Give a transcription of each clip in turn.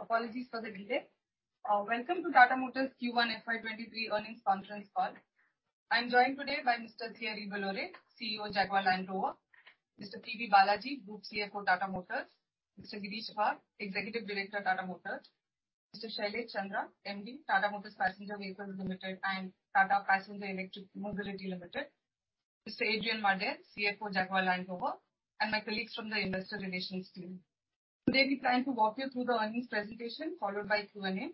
Apologies for the delay. Welcome to Tata Motors Q1 FY 2023 Earnings Conference Call. I'm joined today by Mr. Thierry Bolloré, CEO, Jaguar Land Rover, Mr. P.B. Balaji, Group CFO, Tata Motors, Mr. Girish Wagh, Executive Director, Tata Motors, Mr. Shailesh Chandra, MD, Tata Motors Passenger Vehicles Limited and Tata Passenger Electric Mobility Limited, Mr. Adrian Mardell, CFO, Jaguar Land Rover, and my colleagues from the investor relations team. Today, we plan to walk you through the earnings presentation, followed by Q&A.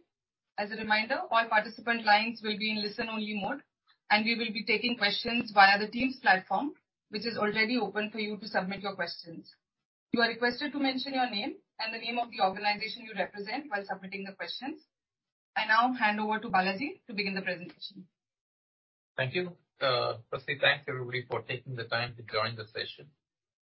As a reminder, all participant lines will be in listen-only mode, and we will be taking questions via the Teams platform, which is already open for you to submit your questions. You are requested to mention your name and the name of the organization you represent while submitting the questions. I now hand over to Balaji to begin the presentation. Thank you. Firstly, thanks everybody for taking the time to join the session.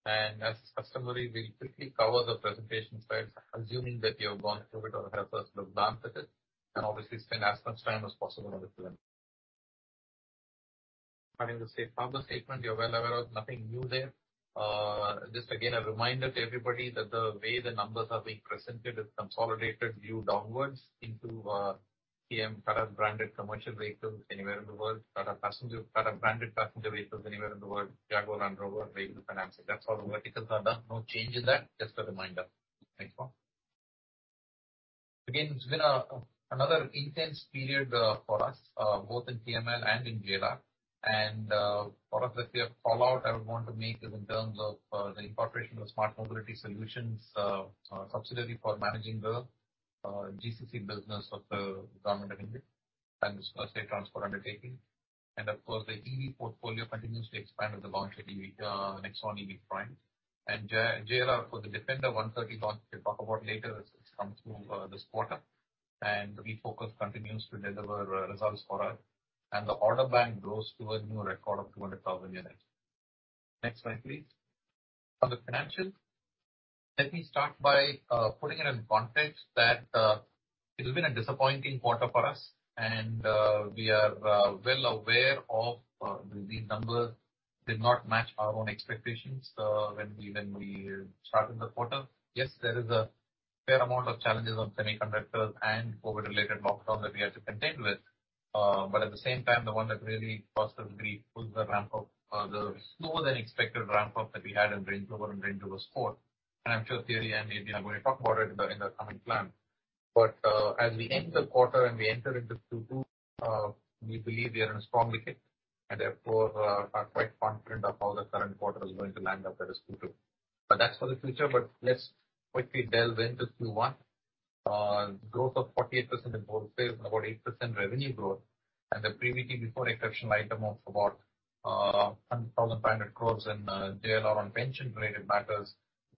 As customary, we'll quickly cover the presentation slides, assuming that you have gone through it or have personally looked at it, and obviously spend as much time as possible on the Q&A. Starting with the safe harbor statement you're well aware of. Nothing new there. Just again, a reminder to everybody that the way the numbers are being presented is consolidated view downwards into TML Tata branded commercial vehicles anywhere in the world, Tata branded passenger vehicles anywhere in the world, Jaguar Land Rover vehicle financing. That's how the verticals are done. No change in that. Just a reminder. Thanks, Paul. Again, it's been another intense period for us both in TML and in JLR. One of the key follow-up I would want to make is in terms of the incorporation of Smart City Mobility Solutions subsidiary for managing the GCC business of the Government of India and its state transport undertaking. Of course, the EV portfolio continues to expand with the launch of the Nexon EV Prime. JLR for the Defender 130 launch, we'll talk about later as it's come through this quarter. The Refocus continues to deliver results for us. The order bank grows to a new record of 200,000 units. Next slide, please. On the financials, let me start by putting it in context that it has been a disappointing quarter for us. We are well aware of the numbers did not match our own expectations when we started the quarter. Yes, there is a fair amount of challenges on semiconductors and COVID-related lockdowns that we had to contend with. At the same time, the one that really caused us grief was the slower than expected ramp-up that we had in Range Rover and Range Rover Sport. I'm sure Thierry and Adrian are going to talk about it in the coming plan. As we end the quarter and we enter into Q2, we believe we are in a strong place, and therefore, are quite confident of how the current quarter is going to land up that is Q2. That's for the future, but let's quickly delve into Q1. Growth of 48% in both sales and about 8% revenue growth. The PBT before exceptional item of about 100,500 crore in JLR on pension-related matters,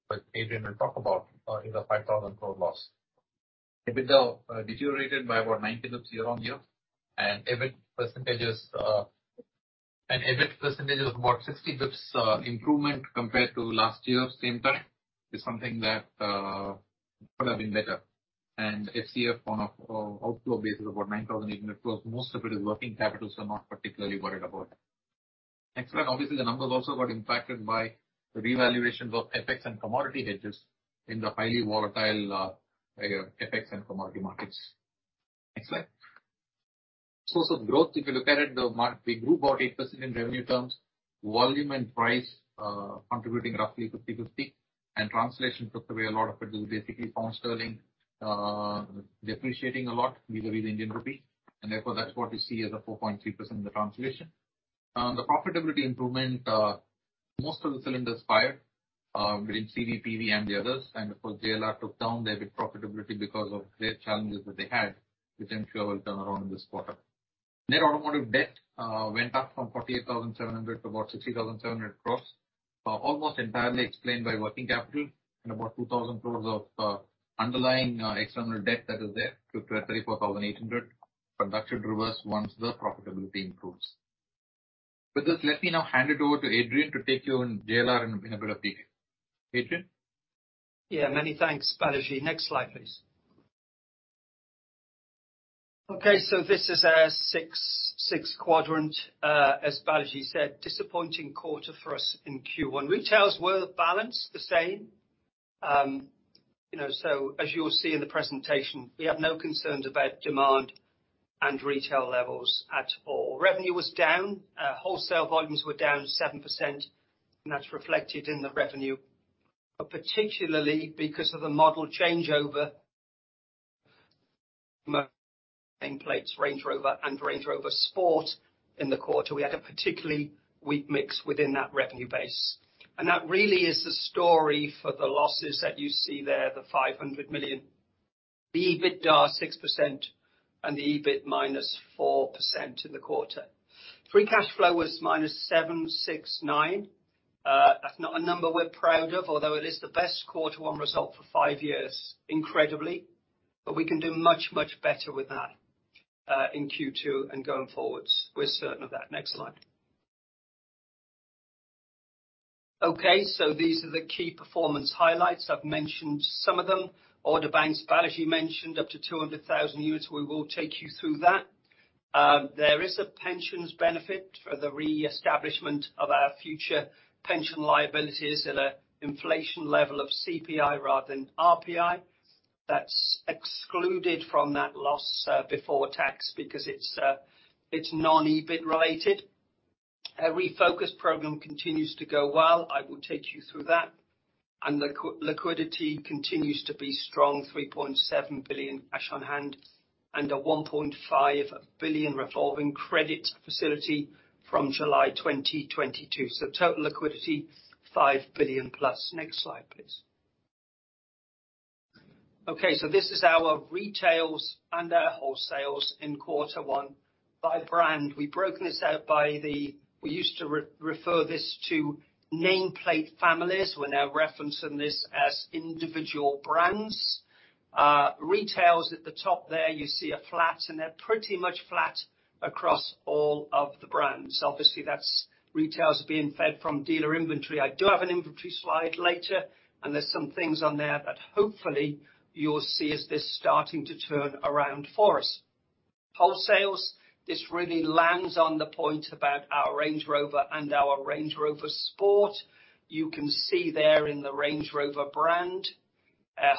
which Adrian will talk about, is a 5,000 crore loss. EBITDA deteriorated by about 90 basis points year-on-year. EBIT percentage is about 60 basis points improvement compared to last year same time. It's something that could have been better. FCF on a outflow basis of about 9,800 crore, most of it is working capital, so not particularly worried about it. Next slide. Obviously, the numbers also got impacted by the revaluations of FX and commodity hedges in the highly volatile FX and commodity markets. Next slide. Source of growth. If you look at it, we grew about 8% in revenue terms. Volume and price contributing roughly 50/50. Translation took away a lot of it, basically pound sterling depreciating a lot vis-à-vis the Indian rupee. Therefore, that's what you see as a 4.3% in the translation. The profitability improvement, most of the cylinders fired between CV, PV, and the others. Of course, JLR took down their profitability because of great challenges that they had, which I'm sure will turn around this quarter. Net automotive debt went up from 48,700 crores to about 60,700 crores. Almost entirely explained by working capital and about 2,000 crores of underlying external debt that is there to 34,800. That should reverse once the profitability improves. With this, let me now hand it over to Adrian to take you into JLR in a bit of detail. Adrian? Yeah, many thanks, Balaji. Next slide, please. Okay, so this is our 66 quadrant. As Balaji said, disappointing quarter for us in Q1. Retails were balanced the same. You know, so as you'll see in the presentation, we have no concerns about demand and retail levels at all. Revenue was down. Wholesale volumes were down 7%, and that's reflected in the revenue. But particularly because of the model changeover nameplates, Range Rover and Range Rover Sport in the quarter, we had a particularly weak mix within that revenue base. That really is the story for the losses that you see there, the 500 million. The EBITDA, 6%, and the EBIT, -4% in the quarter. Free cash flow was -769 million. That's not a number we're proud of, although it is the best quarter one result for five years, incredibly. We can do much, much better with that in Q2 and going forward. We're certain of that. Next slide. Okay, these are the key performance highlights. I've mentioned some of them. Order book, Balaji mentioned, up to 200,000 units. We will take you through that. There is a pensions benefit for the reestablishment of our future pension liabilities at an inflation level of CPI rather than RPI. That's excluded from that loss before tax because it's non-EBIT related. Our Refocus program continues to go well. I will take you through that. Liquidity continues to be strong, 3.7 billion cash on hand and a 1.5 billion revolving credit facility from July 2022. Total liquidity, 5 billion-plus. Next slide, please. Okay, so this is our retails and our wholesales in quarter one by brand. We've broken this out. We used to refer this to nameplate families. We're now referencing this as individual brands. Retails at the top there, you see, are flat, and they're pretty much flat across all of the brands. Obviously, that's retails are being fed from dealer inventory. I do have an inventory slide later, and there's some things on there that hopefully you'll see as this starting to turn around for us. Wholesales, this really lands on the point about our Range Rover and our Range Rover Sport. You can see there in the Range Rover brand,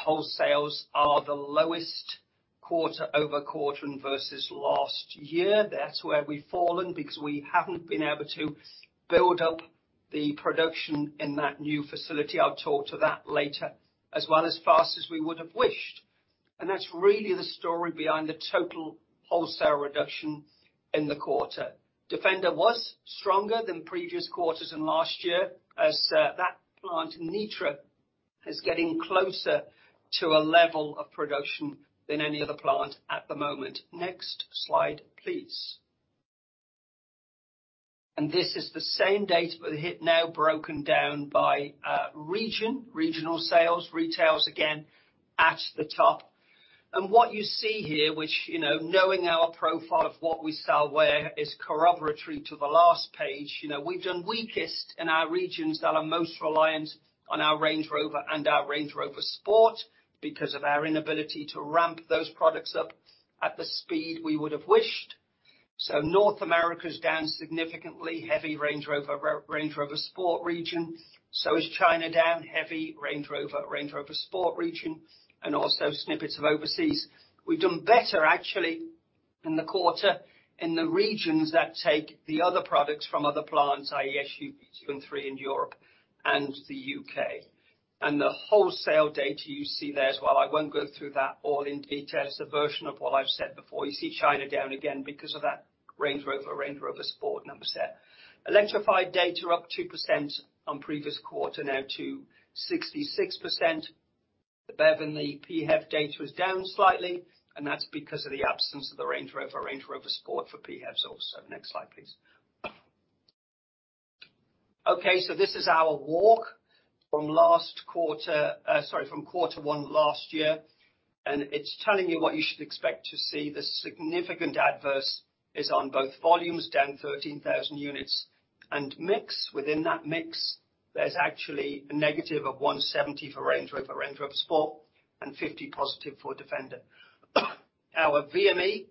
wholesales are the lowest quarter-over-quarter versus last year. That's where we've fallen because we haven't been able to build up the production in that new facility. I'll talk to that later, as well, as fast as we would have wished. That's really the story behind the total wholesale reduction in the quarter. Defender was stronger than previous quarters and last year as that plant in Nitra is getting closer to a level of production than any other plant at the moment. Next slide, please. This is the same data but it's now broken down by region, regional sales. Retail is again at the top. What you see here, which, you know, knowing our profile of what we sell where is corroboratory to the last page. You know, we've done weakest in our regions that are most reliant on our Range Rover and our Range Rover Sport because of our inability to ramp those products up at the speed we would have wished. North America is down significantly, heavy Range Rover, Range Rover Sport region. China is down heavy Range Rover, Range Rover Sport region, and also snippets of overseas. We've done better, actually, in the quarter in the regions that take the other products from other plants, i.e. SUV two and three in Europe and the U.K.. The wholesale data you see there as well, I won't go through that all in detail. It's a version of what I've said before. You see China down again because of that Range Rover, Range Rover Sport number set. Electrified data up 2% on previous quarter, now to 66%. The BEV and the PHEV data is down slightly, and that's because of the absence of the Range Rover, Range Rover Sport for PHEVs also. Next slide, please. Okay, so this is our walk from quarter one last year, and it's telling you what you should expect to see. The significant adverse is on both volumes, down 13,000 units, and mix. Within that mix, there's actually a negative of 170 for Range Rover, Range Rover Sport and 50 positive for Defender. Our VME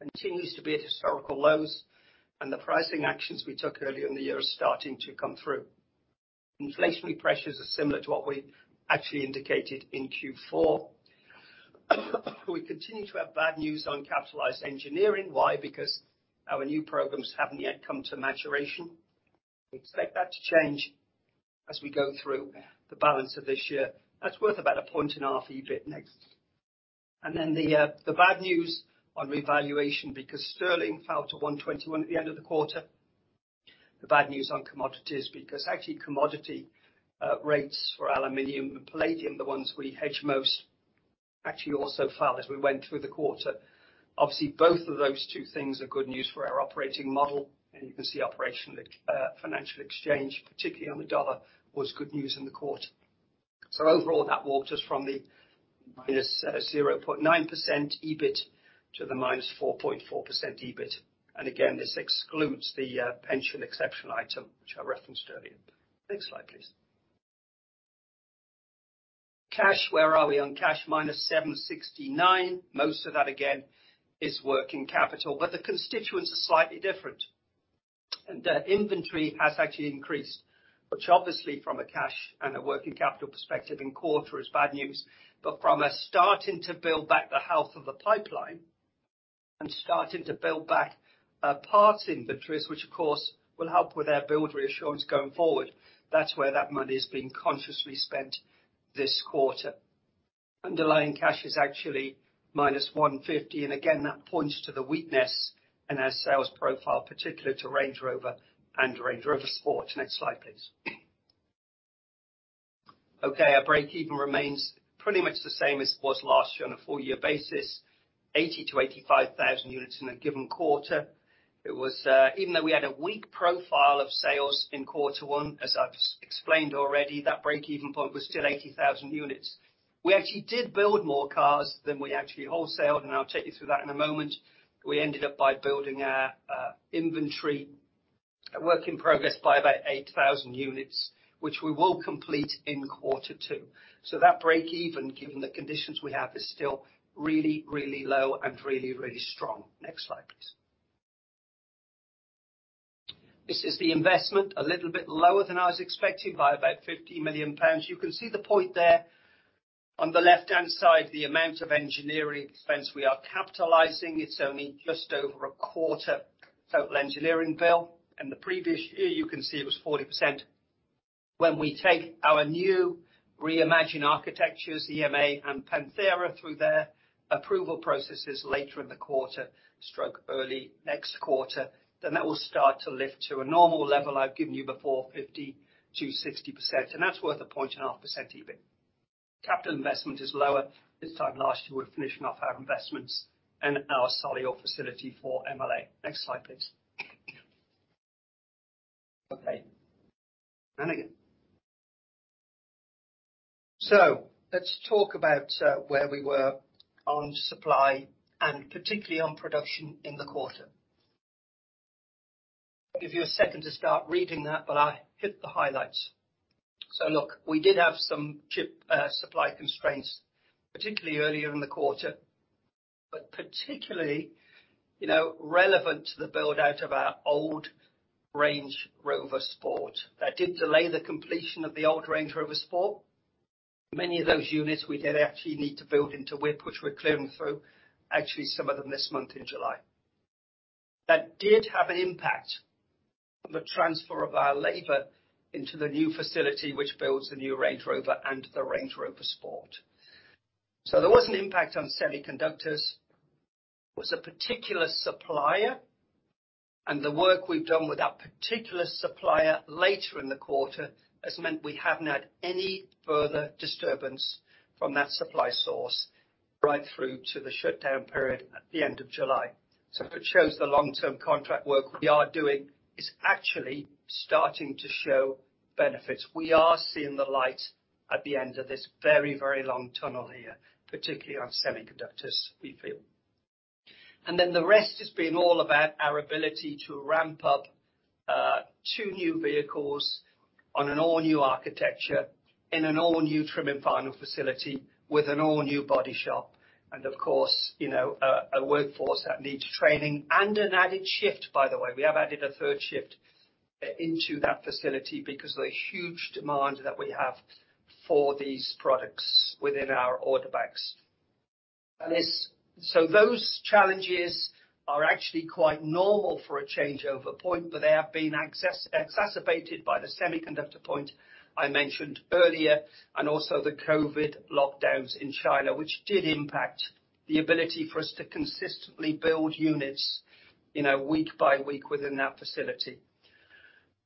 continues to be at historical lows, and the pricing actions we took earlier in the year are starting to come through. Inflationary pressures are similar to what we actually indicated in Q4. We continue to have bad news on capitalized engineering. Why? Because our new programs haven't yet come to maturation. We expect that to change as we go through the balance of this year. That's worth about 1.5 EBIT. Next. The bad news on revaluation because sterling fell to 1.21 at the end of the quarter. The bad news on commodities because actually commodity rates for aluminum and palladium, the ones we hedge most, actually also fell as we went through the quarter. Obviously, both of those two things are good news for our operating model. You can see operational FX, particularly on the dollar, was good news in the quarter. Overall, that walked us from the -0.9% EBIT to the -4.4% EBIT. Again, this excludes the pension exceptional item, which I referenced earlier. Next slide, please. Cash, where are we on cash? -769 million. Most of that, again, is working capital, but the constituents are slightly different. The inventory has actually increased, which obviously from a cash and a working capital perspective in quarter is bad news. From a starting to build back the health of the pipeline and starting to build back parts inventories, which of course will help with our build reassurance going forward, that's where that money is being consciously spent this quarter. Underlying cash is actually -150, and again, that points to the weakness in our sales profile, particular to Range Rover and Range Rover Sport. Next slide, please. Okay, our breakeven remains pretty much the same as it was last year on a full year basis, 80, 000-85,000 units in a given quarter. It was even though we had a weak profile of sales in quarter one, as I've explained already, that breakeven point was still 80,000 units. We actually did build more cars than we actually wholesaled, and I'll take you through that in a moment. We ended up by building our inventory, a work in progress by about 8,000 units, which we will complete in quarter two. So that breakeven, given the conditions we have, is still really, really low and really, really strong. Next slide, please. This is the investment, a little bit lower than I was expecting by about 50 million pounds. You can see the point there. On the left-hand side, the amount of engineering expense we are capitalizing, it's only just over a quarter total engineering bill. In the previous year, you can see it was 40%. When we take our new Reimagine Architecture, CMA, and Panthera through their approval processes later in the quarter, stroke early next quarter, then that will start to lift to a normal level I've given you before, 50%-60%. That's worth 1.5% EBIT. Capital investment is lower. This time last year, we were finishing off our investments in our Solihull facility for MLA. Next slide, please. Okay. Again. Let's talk about where we were on supply and particularly on production in the quarter. I'll give you a second to start reading that, but I'll hit the highlights. Look, we did have some chip supply constraints, particularly earlier in the quarter, but particularly, you know, relevant to the build-out of our old Range Rover Sport. That did delay the completion of the old Range Rover Sport. Many of those units we did actually need to build into WIP, which we're clearing through actually some of them this month in July. That did have an impact on the transfer of our labor into the new facility which builds the new Range Rover and the Range Rover Sport. There was an impact on semiconductors. It was a particular supplier, and the work we've done with that particular supplier later in the quarter has meant we haven't had any further disturbance from that supply source right through to the shutdown period at the end of July. It shows the long-term contract work we are doing is actually starting to show benefits. We are seeing the light at the end of this very, very long tunnel here, particularly on semiconductors, we feel. The rest has been all about our ability to ramp up two new vehicles on an all-new architecture in an all-new trim and final facility with an all-new body shop and of course, you know, a workforce that needs training and an added shift, by the way. We have added a third shift into that facility because of the huge demand that we have for these products within our order books. Those challenges are actually quite normal for a changeover point, but they have been exacerbated by the semiconductor shortage I mentioned earlier and also the COVID lockdowns in China, which did impact the ability for us to consistently build units, you know, week by week within that facility.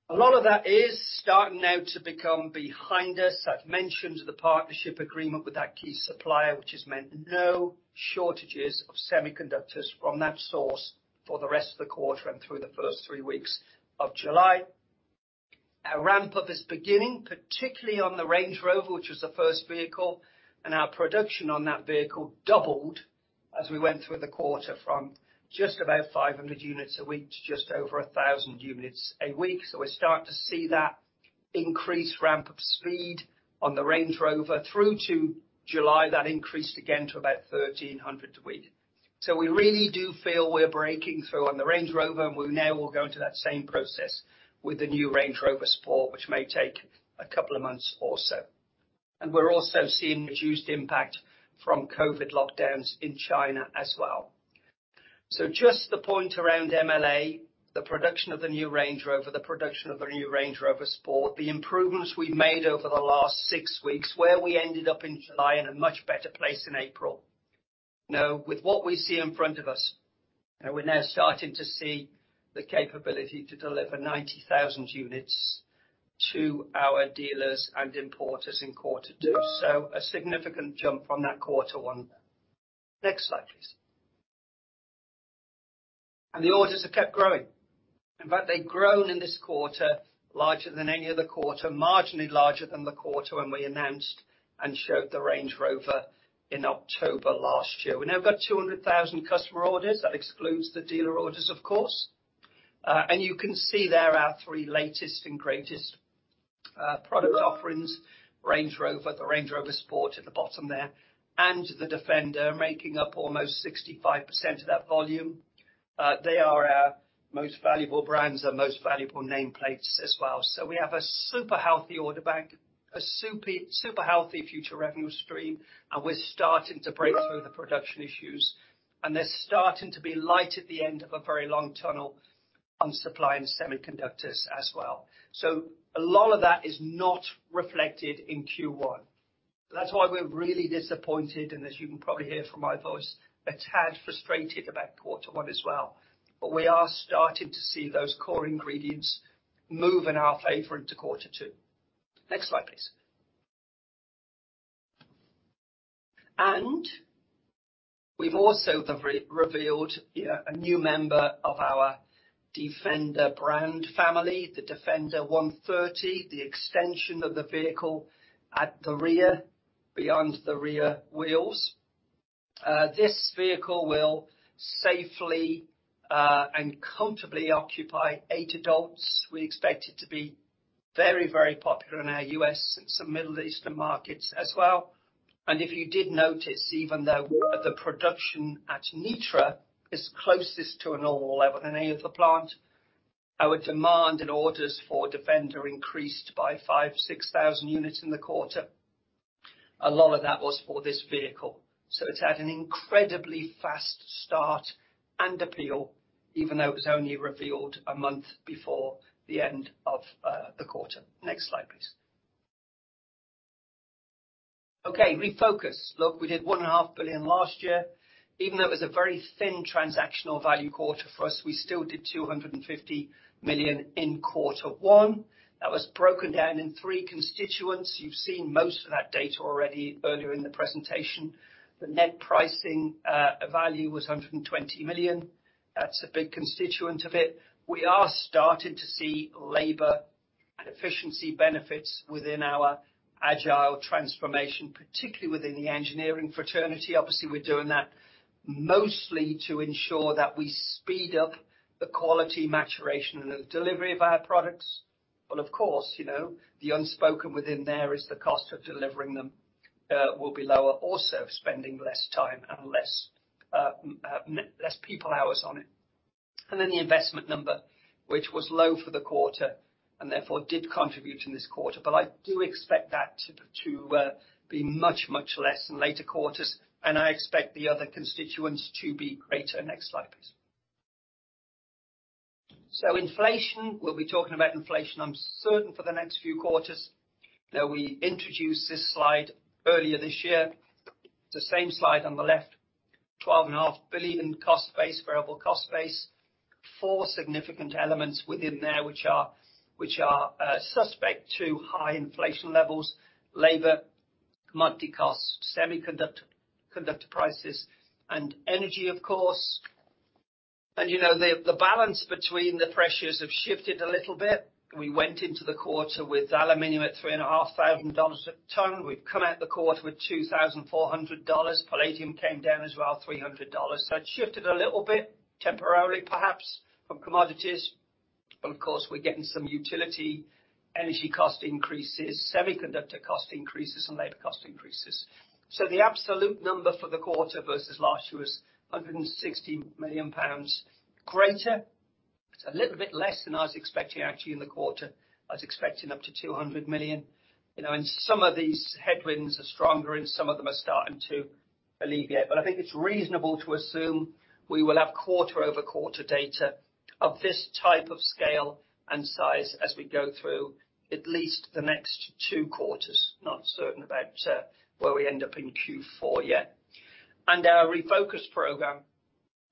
A lot of that is starting now to become behind us. I've mentioned the partnership agreement with that key supplier, which has meant no shortages of semiconductors from that source for the rest of the quarter and through the first three weeks of July. Our ramp-up is beginning, particularly on the Range Rover, which was the first vehicle, and our production on that vehicle doubled as we went through the quarter from just about 500 units a week to just over 1,000 units a week. We're starting to see that increased ramp-up speed on the Range Rover through to July. That increased again to about 1,300 a week. We really do feel we're breaking through on the Range Rover, and we now will go into that same process with the new Range Rover Sport, which may take a couple of months or so. We're also seeing reduced impact from COVID lockdowns in China as well. Just the point around MLA, the production of the new Range Rover, the production of the new Range Rover Sport, the improvements we've made over the last six weeks, where we ended up in July in a much better place in April. Now, with what we see in front of us, we're now starting to see the capability to deliver 90,000 units to our dealers and importers in quarter two. A significant jump from that quarter one. Next slide, please. The orders have kept growing. In fact, they've grown in this quarter larger than any other quarter, marginally larger than the quarter when we announced and showed the Range Rover in October last year. We now got 200,000 customer orders. That excludes the dealer orders, of course. You can see there our three latest and greatest product offerings, Range Rover, the Range Rover Sport at the bottom there, and the Defender making up almost 65% of that volume. They are our most valuable brands, our most valuable nameplates as well. We have a super healthy order bank, a super healthy future revenue stream, and we're starting to break through the production issues. There's starting to be light at the end of a very long tunnel on supply and semiconductors as well. A lot of that is not reflected in Q1. That's why we're really disappointed, and as you can probably hear from my voice, a tad frustrated about quarter one as well. We are starting to see those core ingredients move in our favor into quarter two. Next slide, please. We've also revealed a new member of our Defender brand family, the Defender 130, the extension of the vehicle at the rear, beyond the rear wheels. This vehicle will safely and comfortably occupy eight adults. We expect it to be very, very popular in our U.S. and some Middle Eastern markets as well. If you did notice, even though the production at Nitra is closest to a normal level than any other plant, our demand and orders for Defender increased by 5,000-6,000 units in the quarter. A lot of that was for this vehicle. It's had an incredibly fast start and appeal, even though it was only revealed a month before the end of the quarter. Next slide, please. Okay, Refocus. Look, we did 1.5 billion last year. Even though it was a very thin transactional value quarter for us, we still did 250 million in quarter one. That was broken down in three constituents. You've seen most of that data already earlier in the presentation. The net pricing value was 120 million. That's a big constituent of it. We are starting to see labor and efficiency benefits within our agile transformation, particularly within the engineering fraternity. Obviously, we're doing that mostly to ensure that we speed up the quality maturation and the delivery of our products. But of course, you know, the unspoken within there is the cost of delivering them will be lower, also spending less time and less people hours on it. Then the investment number, which was low for the quarter, and therefore did contribute in this quarter. I do expect that to be much, much less in later quarters, and I expect the other constituents to be greater. Next slide, please. Inflation. We'll be talking about inflation, I'm certain, for the next few quarters. Now, we introduced this slide earlier this year. It's the same slide on the left. 12.5 billion cost base, variable cost base. Four significant elements within there, which are subject to high inflation levels, labor, commodity costs, semiconductor, conductor prices, and energy, of course. You know, the balance between the pressures have shifted a little bit. We went into the quarter with aluminum at $3,500 a ton. We've come out the quarter with $2,400. Palladium came down as well, $300. It shifted a little bit, temporarily perhaps, on commodities. Of course, we're getting some utility, energy cost increases, semiconductor cost increases, and labor cost increases. The absolute number for the quarter versus last year was 160 million pounds greater. It's a little bit less than I was expecting actually in the quarter. I was expecting up to 200 million. You know, and some of these headwinds are stronger and some of them are starting to alleviate. I think it's reasonable to assume we will have quarter-over-quarter data of this type of scale and size as we go through at least the next two quarters. Not certain about where we end up in Q4 yet. Our Refocus program,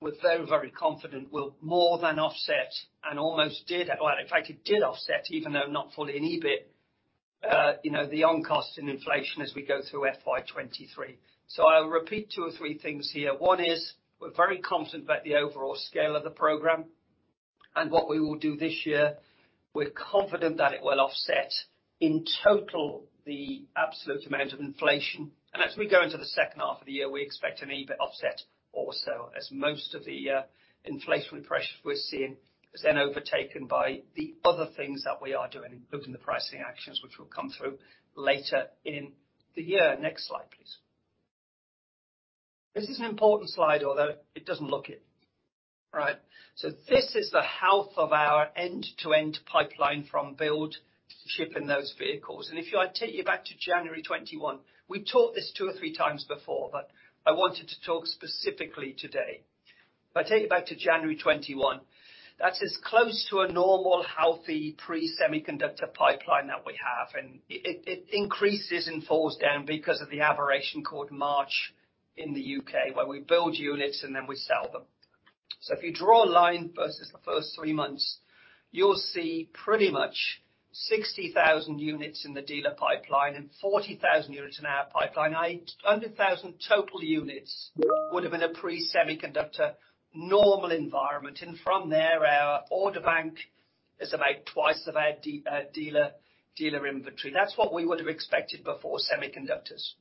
we're very, very confident will more than offset. In fact, it did offset, even though not fully in EBIT, you know, the on costs in inflation as we go through FY 2023. I'll repeat two or three things here. One is we're very confident about the overall scale of the program and what we will do this year. We're confident that it will offset in total the absolute amount of inflation. As we go into the second half of the year, we expect an EBIT offset also, as most of the inflationary pressures we're seeing is then overtaken by the other things that we are doing, including the pricing actions which will come through later in the year. Next slide, please. This is an important slide, although it doesn't look it. Right. This is the health of our end-to-end pipeline from build to shipping those vehicles. If I take you back to January 2021, we taught this two or three times before, but I wanted to talk specifically today. If I take you back to January 2021, that is close to a normal, healthy pre-semiconductor pipeline that we have. It increases and falls down because of the aberration called March in the U.K., where we build units and then we sell them. If you draw a line versus the first three months, you'll see pretty much 60,000 units in the dealer pipeline and 40,000 units in our pipeline. 100,000 total units would have been a pre-semiconductor normal environment. From there, our order bank is about twice of our dealer inventory. That's what we would have expected before semiconductors.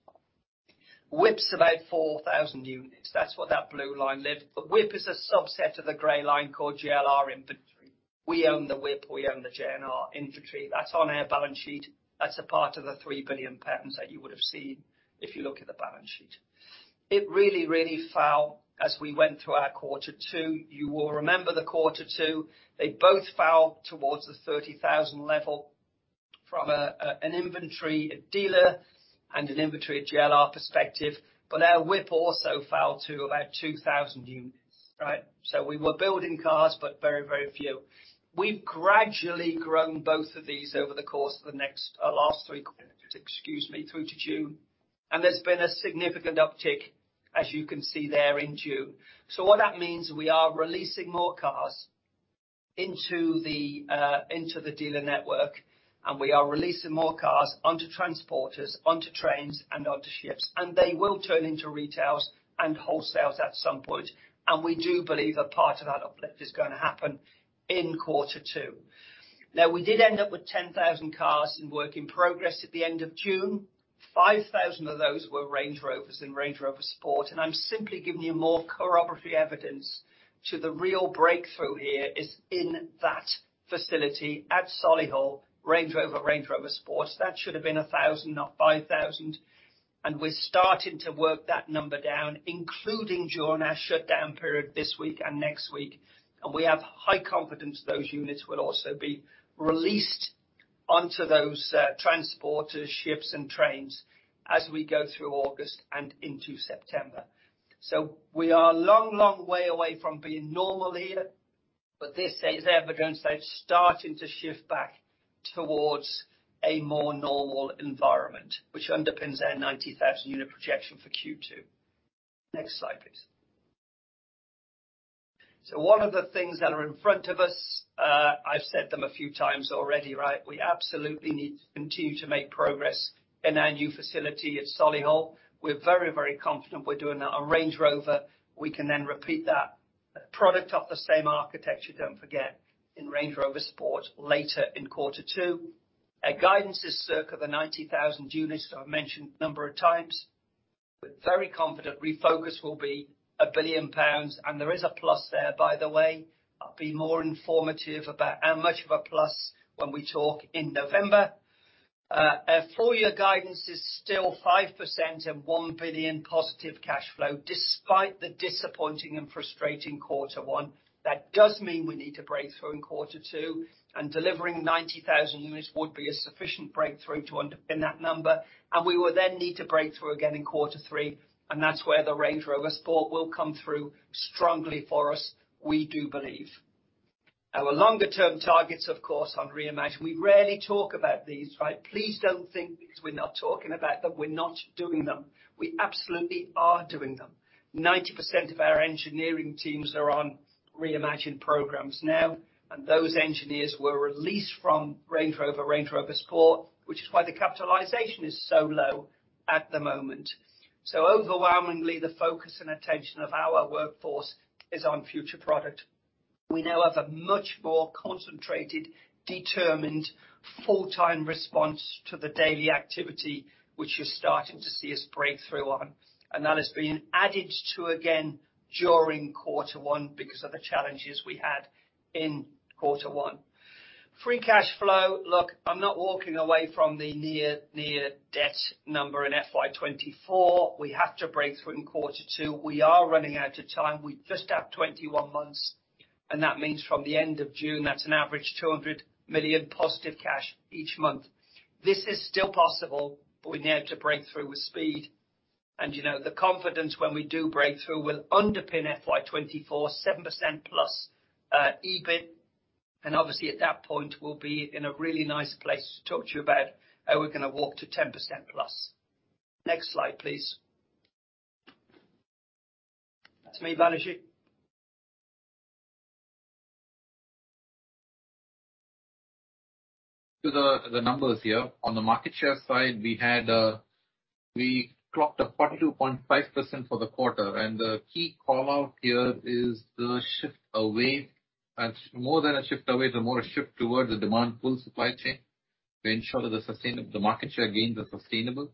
WIP's about 4,000 units. That's what that blue line left. The WIP is a subset of the gray line called JLR inventory. We own the WIP. We own the JLR inventory. That's on our balance sheet. That's a part of the 3 billion pounds that you would have seen if you look at the balance sheet. It really, really fell as we went through our quarter two. You will remember the quarter two. They both fell towards the 30,000 level from an inventory, a dealer inventory at JLR perspective. But our WIP also fell to about 2,000 units, right? We were building cars, but very, very few. We've gradually grown both of these over the course of the last three quarters, excuse me, through to June. There's been a significant uptick, as you can see there, in June. What that means is we are releasing more cars into the dealer network, and we are releasing more cars onto transporters, onto trains, and onto ships. They will turn into retails and wholesales at some point. We do believe a part of that uplift is gonna happen in quarter two. We did end up with 10,000 cars in work in progress at the end of June. 5,000 of those were Range Rovers and Range Rover Sport. I'm simply giving you more corroborating evidence to the real breakthrough here is in that facility at Solihull, Range Rover, Range Rover Sport. That should have been 1,000, not 5,000. We're starting to work that number down, including during our shutdown period this week and next week. We have high confidence those units will also be released onto those transporters, ships and trains as we go through August and into September. We are a long, long way away from being normal here, but this is evidence that it's starting to shift back towards a more normal environment, which underpins our 90,000-unit projection for Q2. Next slide, please. What are the things that are in front of us? I've said them a few times already, right? We absolutely need to continue to make progress in our new facility at Solihull. We're very, very confident we're doing that on Range Rover. We can then repeat that product of the same architecture, don't forget, in Range Rover Sport later in quarter two. Our guidance is circa 90,000 units I've mentioned a number of times, but very confident Refocus will be 1 billion pounds. There is a plus there, by the way. I'll be more informative about how much of a plus when we talk in November. Our full year guidance is still 5% and 1 billion positive cash flow, despite the disappointing and frustrating quarter one. That does mean we need to break through in quarter two, and delivering 90,000 units would be a sufficient breakthrough to underpin that number. We will then need to break through again in quarter three, and that's where the Range Rover Sport will come through strongly for us, we do believe. Our longer term targets, of course, on Reimagine, we rarely talk about these, right? Please don't think because we're not talking about them, we're not doing them. We absolutely are doing them. 90% of our engineering teams are on Reimagine programs now, and those engineers were released from Range Rover, Range Rover Sport, which is why the capitalization is so low at the moment. Overwhelmingly, the focus and attention of our workforce is on future product. We now have a much more concentrated, determined, full-time response to the daily activity, which you're starting to see us break through on. That has been added to again during quarter one because of the challenges we had in quarter one. Free cash flow. Look, I'm not walking away from the net debt number in FY 2024. We have to break through in quarter two. We are running out of time. We just have 21 months, and that means from the end of June, that's an average 200 million positive cash each month. This is still possible, but we need to break through with speed. You know, the confidence when we do break through will underpin FY 2024, 7%+, EBIT. Obviously, at that point, we'll be in a really nice place to talk to you about how we're gonna walk to 10%+. Next slide, please. To P.B. Balaji. To the numbers here. On the market share side, we had, we clocked up 42.5% for the quarter. The key call-out here is the shift away. More than a shift away, the more a shift towards the demand pull supply chain to ensure that the market share gains are sustainable.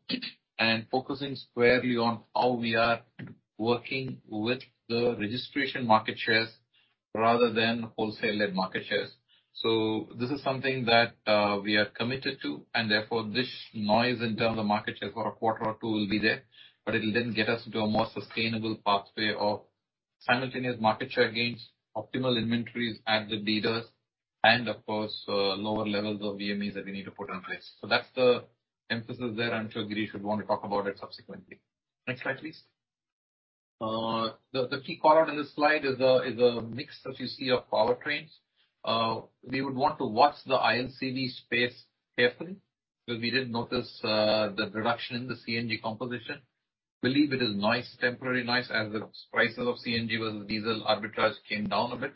Focusing squarely on how we are working with the registration market shares rather than wholesale-led market shares. This is something that we are committed to, and therefore this noise in terms of market share for a quarter or two will be there. It'll then get us into a more sustainable pathway of simultaneous market share gains, optimal inventories at the dealers, and of course, lower levels of VMEs that we need to put in place. That's the emphasis there. I'm sure Girish should want to talk about it subsequently. Next slide, please. The key call-out in this slide is the mix that you see of powertrains. We would want to watch the ILCV space carefully, because we did notice the reduction in the CNG composition. Believe it is noise, temporary noise as the prices of CNG versus diesel arbitrage came down a bit.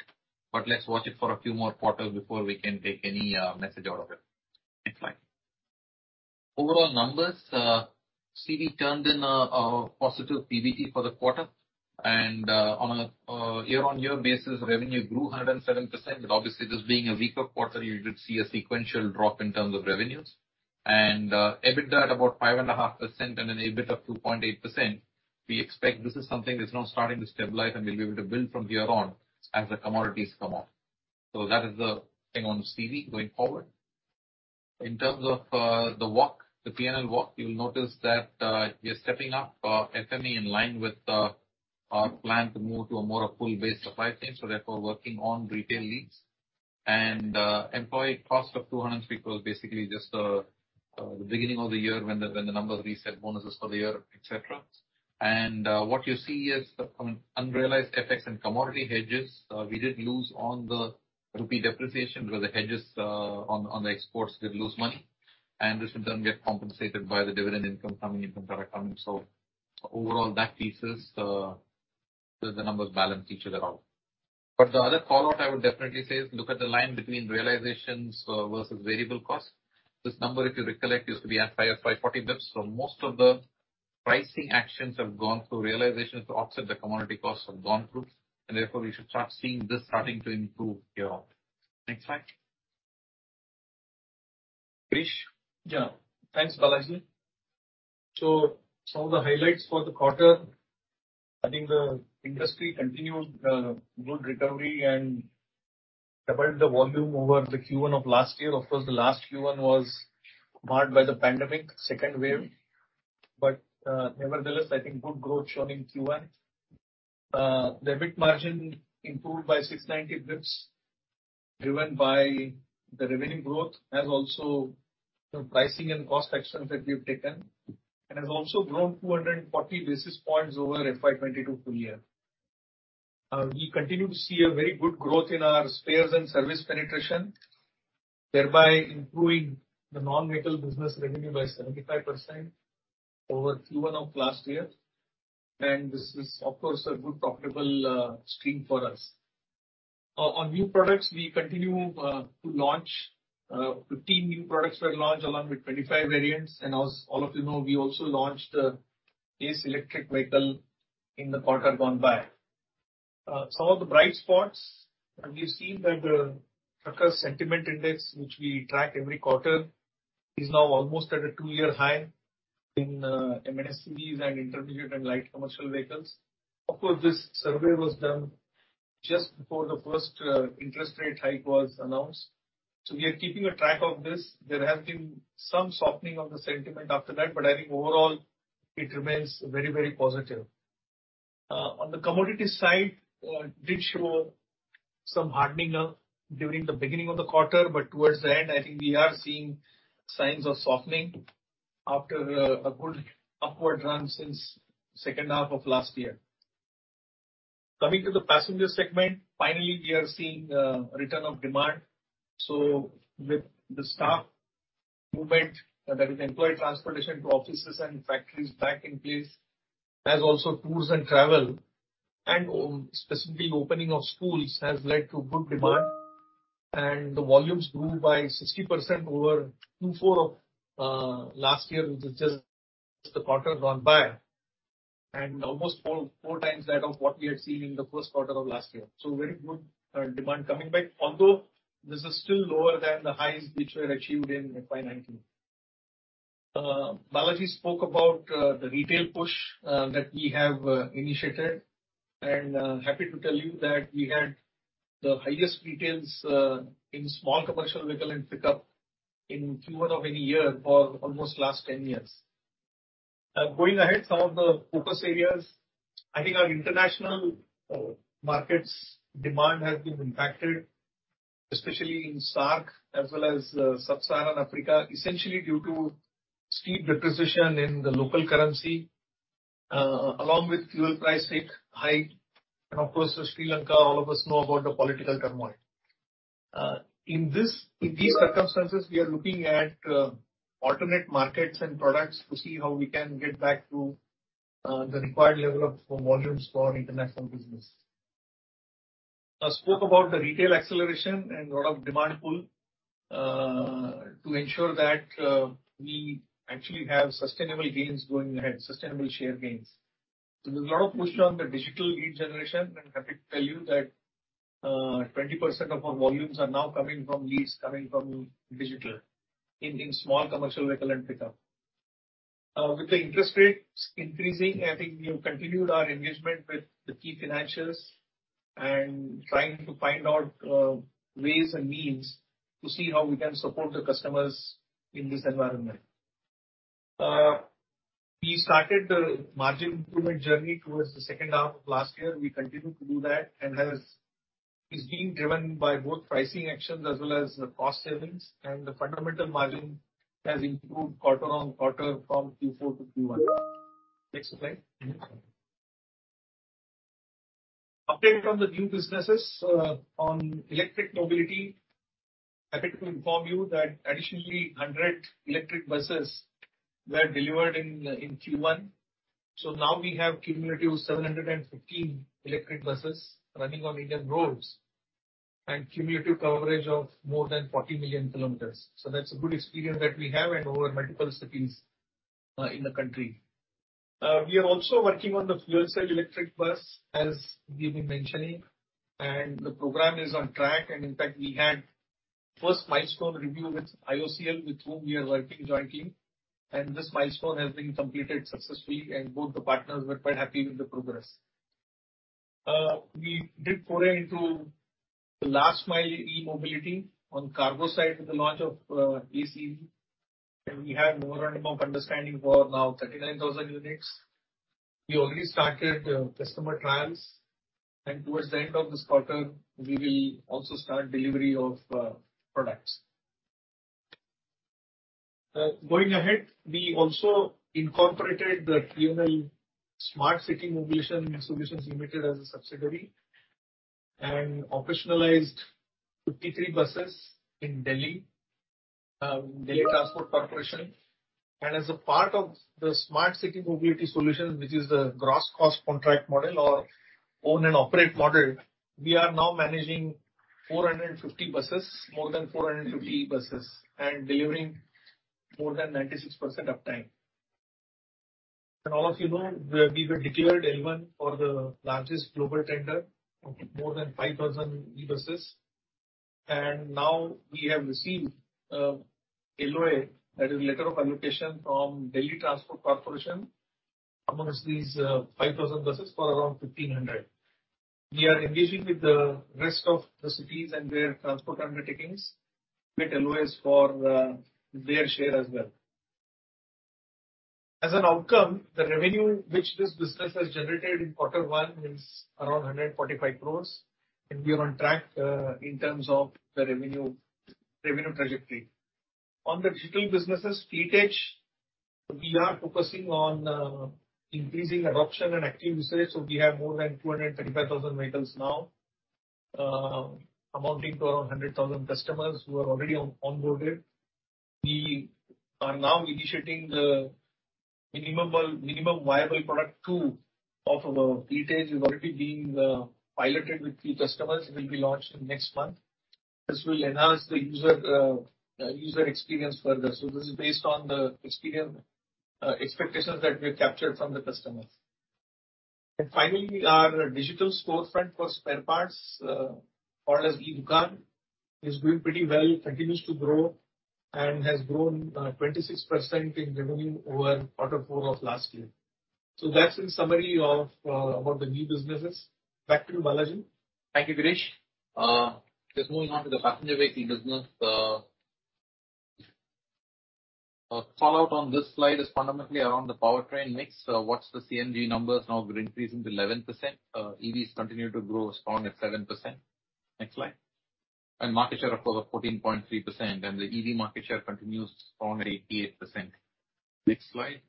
Let's watch it for a few more quarters before we can take any message out of it. Next slide. Overall numbers, CV turned in a positive PBT for the quarter. On a year-on-year basis, revenue grew 107%. Obviously, this being a weaker quarter, you did see a sequential drop in terms of revenues. EBITDA at about 5.5% and an EBIT of 2.8%. We expect this is something that's now starting to stabilize, and we'll be able to build from here on as the commodities come off. That is the thing on CV going forward. In terms of the walk, the P&L walk, you'll notice that we are stepping up FME in line with our plan to move to a more pull-based supply chain, so therefore working on retail-led. Employee cost of 200 people is basically just the beginning of the year when the numbers reset, bonuses for the year, et cetera. What you see is some unrealized FX and commodity hedges. We did lose on the rupee depreciation because the hedges on the exports did lose money. This, in turn, get compensated by the dividend income coming into our account. Overall, that pieces the numbers balance each other out. The other call-out I would definitely say is look at the line between realizations versus variable costs. This number, if you recollect, used to be as high as 540 basis points. Most of the pricing actions have gone through realization to offset the commodity costs have gone through. Therefore, we should start seeing this starting to improve here on. Next slide. Yeah. Thanks, Balaji. Some of the highlights for the quarter. I think the industry continued good recovery and doubled the volume over the Q1 of last year. Of course, the last Q1 was marred by the pandemic second wave. Nevertheless, I think good growth shown in Q1. The EBIT margin improved by 690 basis points, driven by the revenue growth as also the pricing and cost actions that we have taken, and has also grown 240 basis points over FY 2022 full year. We continue to see a very good growth in our spares and service penetration, thereby improving the non-vehicle business revenue by 75% over Q1 of last year. This is, of course, a good profitable stream for us. On new products we continue to launch. 15 new products were launched along with 25 variants. As all of you know, we also launched the Ace Electric Vehicle in the quarter gone by. Some of the bright spots, we've seen that trucker sentiment index, which we track every quarter, is now almost at a two-year high in MHCVs and intermediate and light commercial vehicles. Of course, this survey was done just before the first interest rate hike was announced. We are keeping a track of this. There has been some softening of the sentiment after that, but I think overall it remains very, very positive. On the commodity side, commodities did show some hardening up during the beginning of the quarter, but towards the end, I think we are seeing signs of softening after a good upward run since second half of last year. Coming to the passenger segment, finally, we are seeing return of demand. With the staff movement, that is employee transportation to offices and factories back in place, as also tours and travel and specifically opening of schools, has led to good demand. The volumes grew by 60% over Q4 of last year, which is just the quarter gone by. Almost four times that of what we had seen in the first quarter of last year. Very good demand coming back. Although this is still lower than the highs which were achieved in FY 2019. Balaji spoke about the retail push that we have initiated, and happy to tell you that we had the highest retails in small commercial vehicle and pickup in Q1 of any year for almost last 10 years. Going ahead, some of the focus areas. I think our international markets demand has been impacted, especially in SAARC as well as Sub-Saharan Africa, essentially due to steep depreciation in the local currency, along with fuel price hike and of course Sri Lanka, all of us know about the political turmoil. In these circumstances, we are looking at alternate markets and products to see how we can get back to the required level of volumes for international business. I spoke about the retail acceleration and lot of demand pull to ensure that we actually have sustainable gains going ahead, sustainable share gains. There's a lot of push on the digital lead generation. Happy to tell you that 20% of our volumes are now coming from leads coming from digital in small commercial vehicle and pickup. With the interest rates increasing, I think we've continued our engagement with the key financials and trying to find out ways and means to see how we can support the customers in this environment. We started the margin improvement journey towards the second half of last year. We continue to do that and is being driven by both pricing actions as well as the cost savings. The fundamental margin has improved quarter-on-quarter from Q4 to Q1. Next slide. Update on the new businesses on electric mobility. Happy to inform you that additionally 100 electric buses were delivered in Q1. Now we have cumulative 715 electric buses running on Indian roads and cumulative coverage of more than 40 million km. That's a good experience that we have and over multiple cities in the country. We are also working on the fuel cell electric bus, as we've been mentioning, and the program is on track. In fact, we had first milestone review with IOCL, with whom we are working jointly. This milestone has been completed successfully and both the partners were quite happy with the progress. We did foray into the last mile e-mobility on cargo side with the launch of Ace. We have memorandum of understanding for now 39,000 units. We already started customer trials, and towards the end of this quarter we will also start delivery of products. Going ahead, we also incorporated the TML Smart City Mobility Solutions Limited as a subsidiary and operationalized 53 buses in Delhi Transport Corporation. As a part of the Smart City Mobility Solutions, which is the gross cost contract model or own and operate model, we are now managing 450 buses, more than 450 buses, and delivering more than 96% uptime. All of you know, we were declared L1 for the largest global tender of more than 5,000 e-buses. Now we have received LOA, that is letter of allocation, from Delhi Transport Corporation amongst these 5,000 buses for around 1,500. We are engaging with the rest of the cities and their transport undertakings with LOAs for their share as well. The revenue which this business has generated in quarter one is around 145 crores, and we are on track in terms of the revenue trajectory. On the digital businesses, Fleet Edge, we are focusing on increasing adoption and active usage, so we have more than 235,000 vehicles now, amounting to 100,000 customers who are already onboarded. We are now initiating the minimum viable product two of our Fleet Edge is already being piloted with few customers. It will be launched in next month. This will enhance the user experience further. This is based on the experience expectations that we have captured from the customers. Finally, our digital storefront for spare parts, called as e-Dukaan, is doing pretty well, continues to grow, and has grown 26% in revenue over quarter four of last year. That's in summary of about the new businesses. Back to you, Balaji. Thank you, Girish. Just moving on to the passenger vehicle business. Call out on this slide is fundamentally around the powertrain mix. What's the CNG numbers now increasing to 11%. EVs continue to grow strong at 7%. Next slide. Market share of 12.3%, and the EV market share continues strong at 88%. Next slide.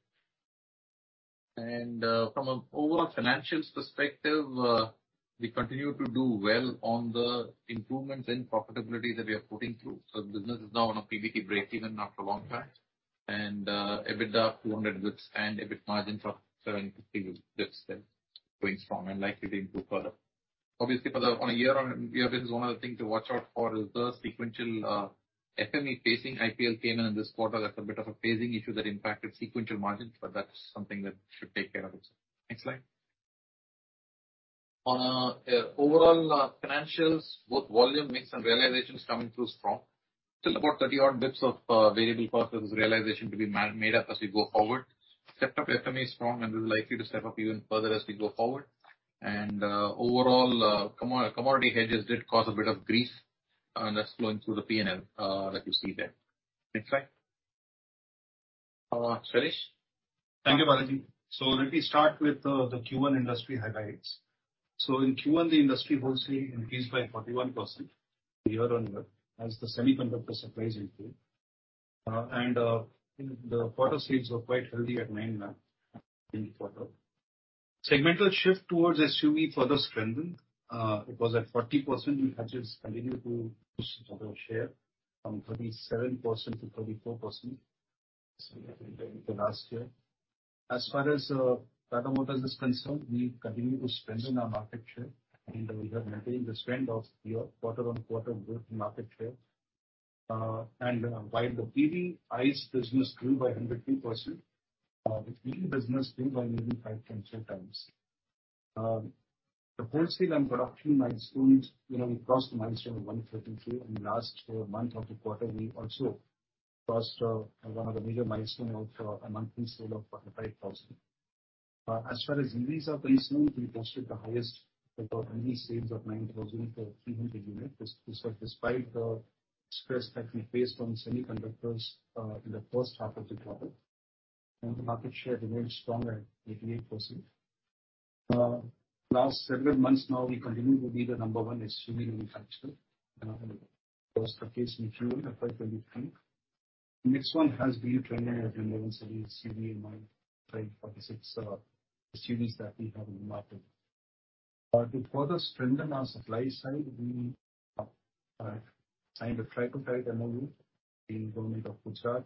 From an overall financial perspective, we continue to do well on the improvements in profitability that we are putting through. Business is now on a PBT breakeven after a long time. EBITDA at 200 basis points and EBIT margin of 72 basis points there going strong and likely to improve further. Obviously, on a year-on-year basis, one of the things to watch out for is the sequential FME phasing IPL came in this quarter. That's a bit of a phasing issue that impacted sequential margins, but that's something that should take care of itself. Next slide. Overall, financials, both volume, mix, and realization is coming through strong. Still about 30-odd basis points of variable cost realization to be made up as we go forward. Step up FME is strong and will likely to step up even further as we go forward. Overall, commodity hedges did cause a bit of grief, and that's flowing through the P&L that you see there. Next slide. Shailesh. Thank you, Balaji. Let me start with the Q1 industry highlights. In Q1, the industry wholesale increased by 41% year-on-year as the semiconductor supplies improved. The quarter sales were quite healthy at nine lakh in the quarter. Segmental shift towards SUV further strengthened. It was at 40%. Manufacturers continued to lose further share from 37%-34% the last year. As far as Tata Motors is concerned, we continue to strengthen our market share, and we are maintaining the strength of year quarter on quarter growth market share. While the PV, ICE business grew by 102%, the EV business grew by nearly 5.4 times. The wholesale and production milestones, we crossed the milestone of 133. In the last month of the quarter, we also crossed one of the major milestone of a monthly sale of 45,000. As far as EVs are concerned, we posted the highest ever EV sales of 9,300 units. This was despite the stress that we faced on semiconductors in the first half of the quarter. Market share remained strong at 88%. Last several months now, we continue to be the number one SUV manufacturer. That was the case in Q1 of FY 2023. Nexon has been trending at relevance in SUV in my trade 46 SUVs that we have in the market. To further strengthen our supply side, we have signed a Tripartite MoU with the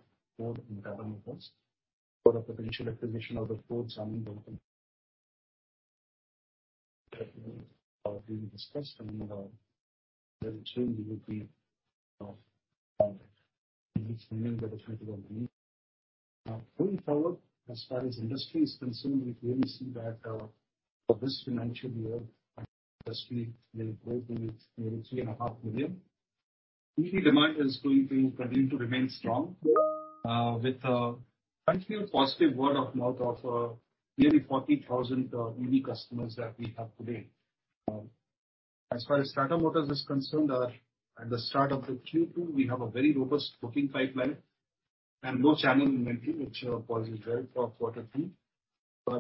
Government of Gujarat for Tata Motors for the potential acquisition of the Ford Sanand that are being discussed and very soon we will be moving further. Going forward, as far as industry is concerned, we clearly see that for this financial year, industry will grow to nearly 3.5 million. EV demand is going to continue to remain strong with a continued positive word of mouth of nearly 40,000 EV customers that we have today. As far as Tata Motors is concerned, at the start of the Q2, we have a very robust booking pipeline and low channel inventory which bodes well for quarter three.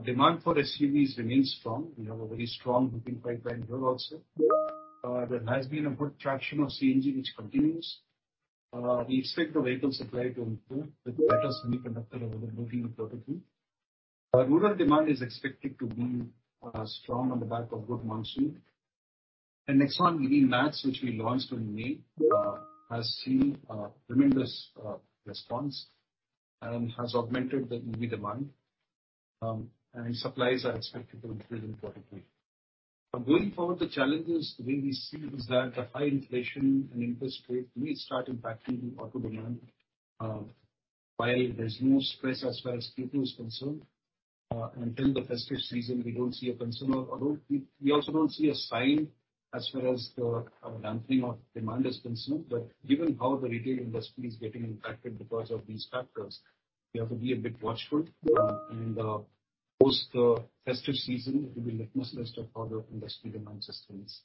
Demand for SUVs remains strong. We have a very strong booking pipeline here also. There has been a good traction of CNG which continues. We expect the vehicle supply to improve with better semiconductor availability in quarter three. Rural demand is expected to be strong on the back of good monsoon. Next one, EV Max, which we launched in May, has seen tremendous response and has augmented the EV demand. Supplies are expected to improve in quarter three. Going forward, the challenges the way we see is that high inflation and interest rates may start impacting the auto demand, while there's no stress as far as people is concerned. In the festive season, we don't see a concern, although we also don't see a sign as far as the dampening of demand is concerned. Given how the retail industry is getting impacted because of these factors, we have to be a bit watchful. Post the festive season, we will take stock of how the industry demand sustains.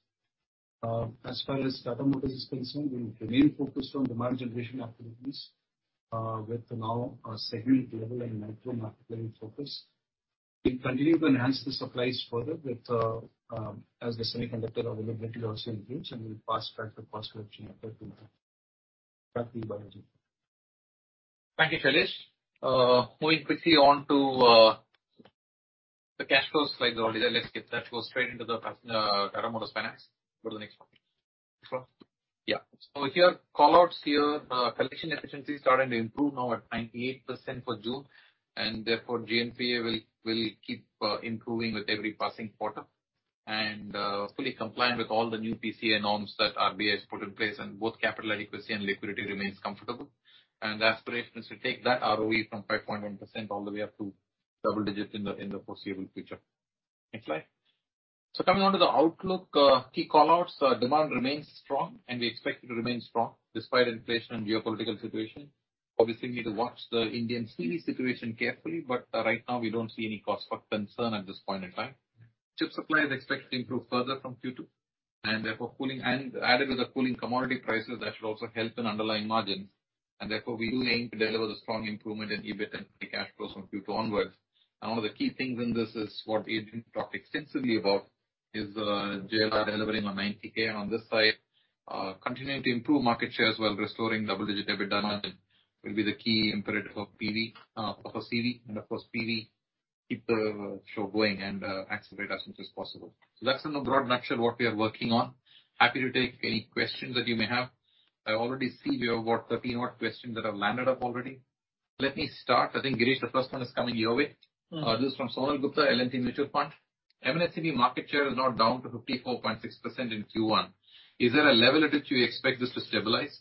As far as Tata Motors is concerned, we remain focused on demand generation activities, with now a segment level and micro market level focus. We continue to enhance the supplies further with, as the semiconductor availability also improves and we pass on the cost reduction effort into that. Back to you, Balaji. Thank you, Shailesh. Moving quickly on to the cash flows slide. Already let's skip that. Go straight into Tata Motors Finance. Go to the next one. Yeah. So here, call-outs here. Collection efficiency starting to improve now at 98% for June, and therefore GNPA will keep improving with every passing quarter. Fully compliant with all the new PCA norms that RBI has put in place, and both capital adequacy and liquidity remains comfortable. The aspiration is to take that ROE from 5.1% all the way up to double digit in the foreseeable future. Next slide. Coming on to the outlook, key call-outs. Demand remains strong and we expect it to remain strong despite inflation and geopolitical situation. Obviously, need to watch the Indian CV situation carefully, but right now we don't see any cause for concern at this point in time. Chip supply is expected to improve further from Q2, and therefore cooling commodity prices that should also help in underlying margins. Therefore, we do aim to deliver the strong improvement in EBIT and free cash flows from Q2 onwards. One of the key things in this is what Adrian talked extensively about is JLR delivering on 90,000 on this side, continuing to improve market shares while restoring double-digit EBITDA margin will be the key imperative for PV, for CV. Of course PV, keep the show going and accelerate as much as possible. That's in a broad nutshell what we are working on. Happy to take any questions that you may have. I already see we have got 30-odd questions that have landed up already. Let me start. I think, Girish, the first one is coming your way. Mm-hmm. This is from Sonal Gupta, L&T Mutual Fund. MHCV market share is now down to 54.6% in Q1. Is there a level at which you expect this to stabilize?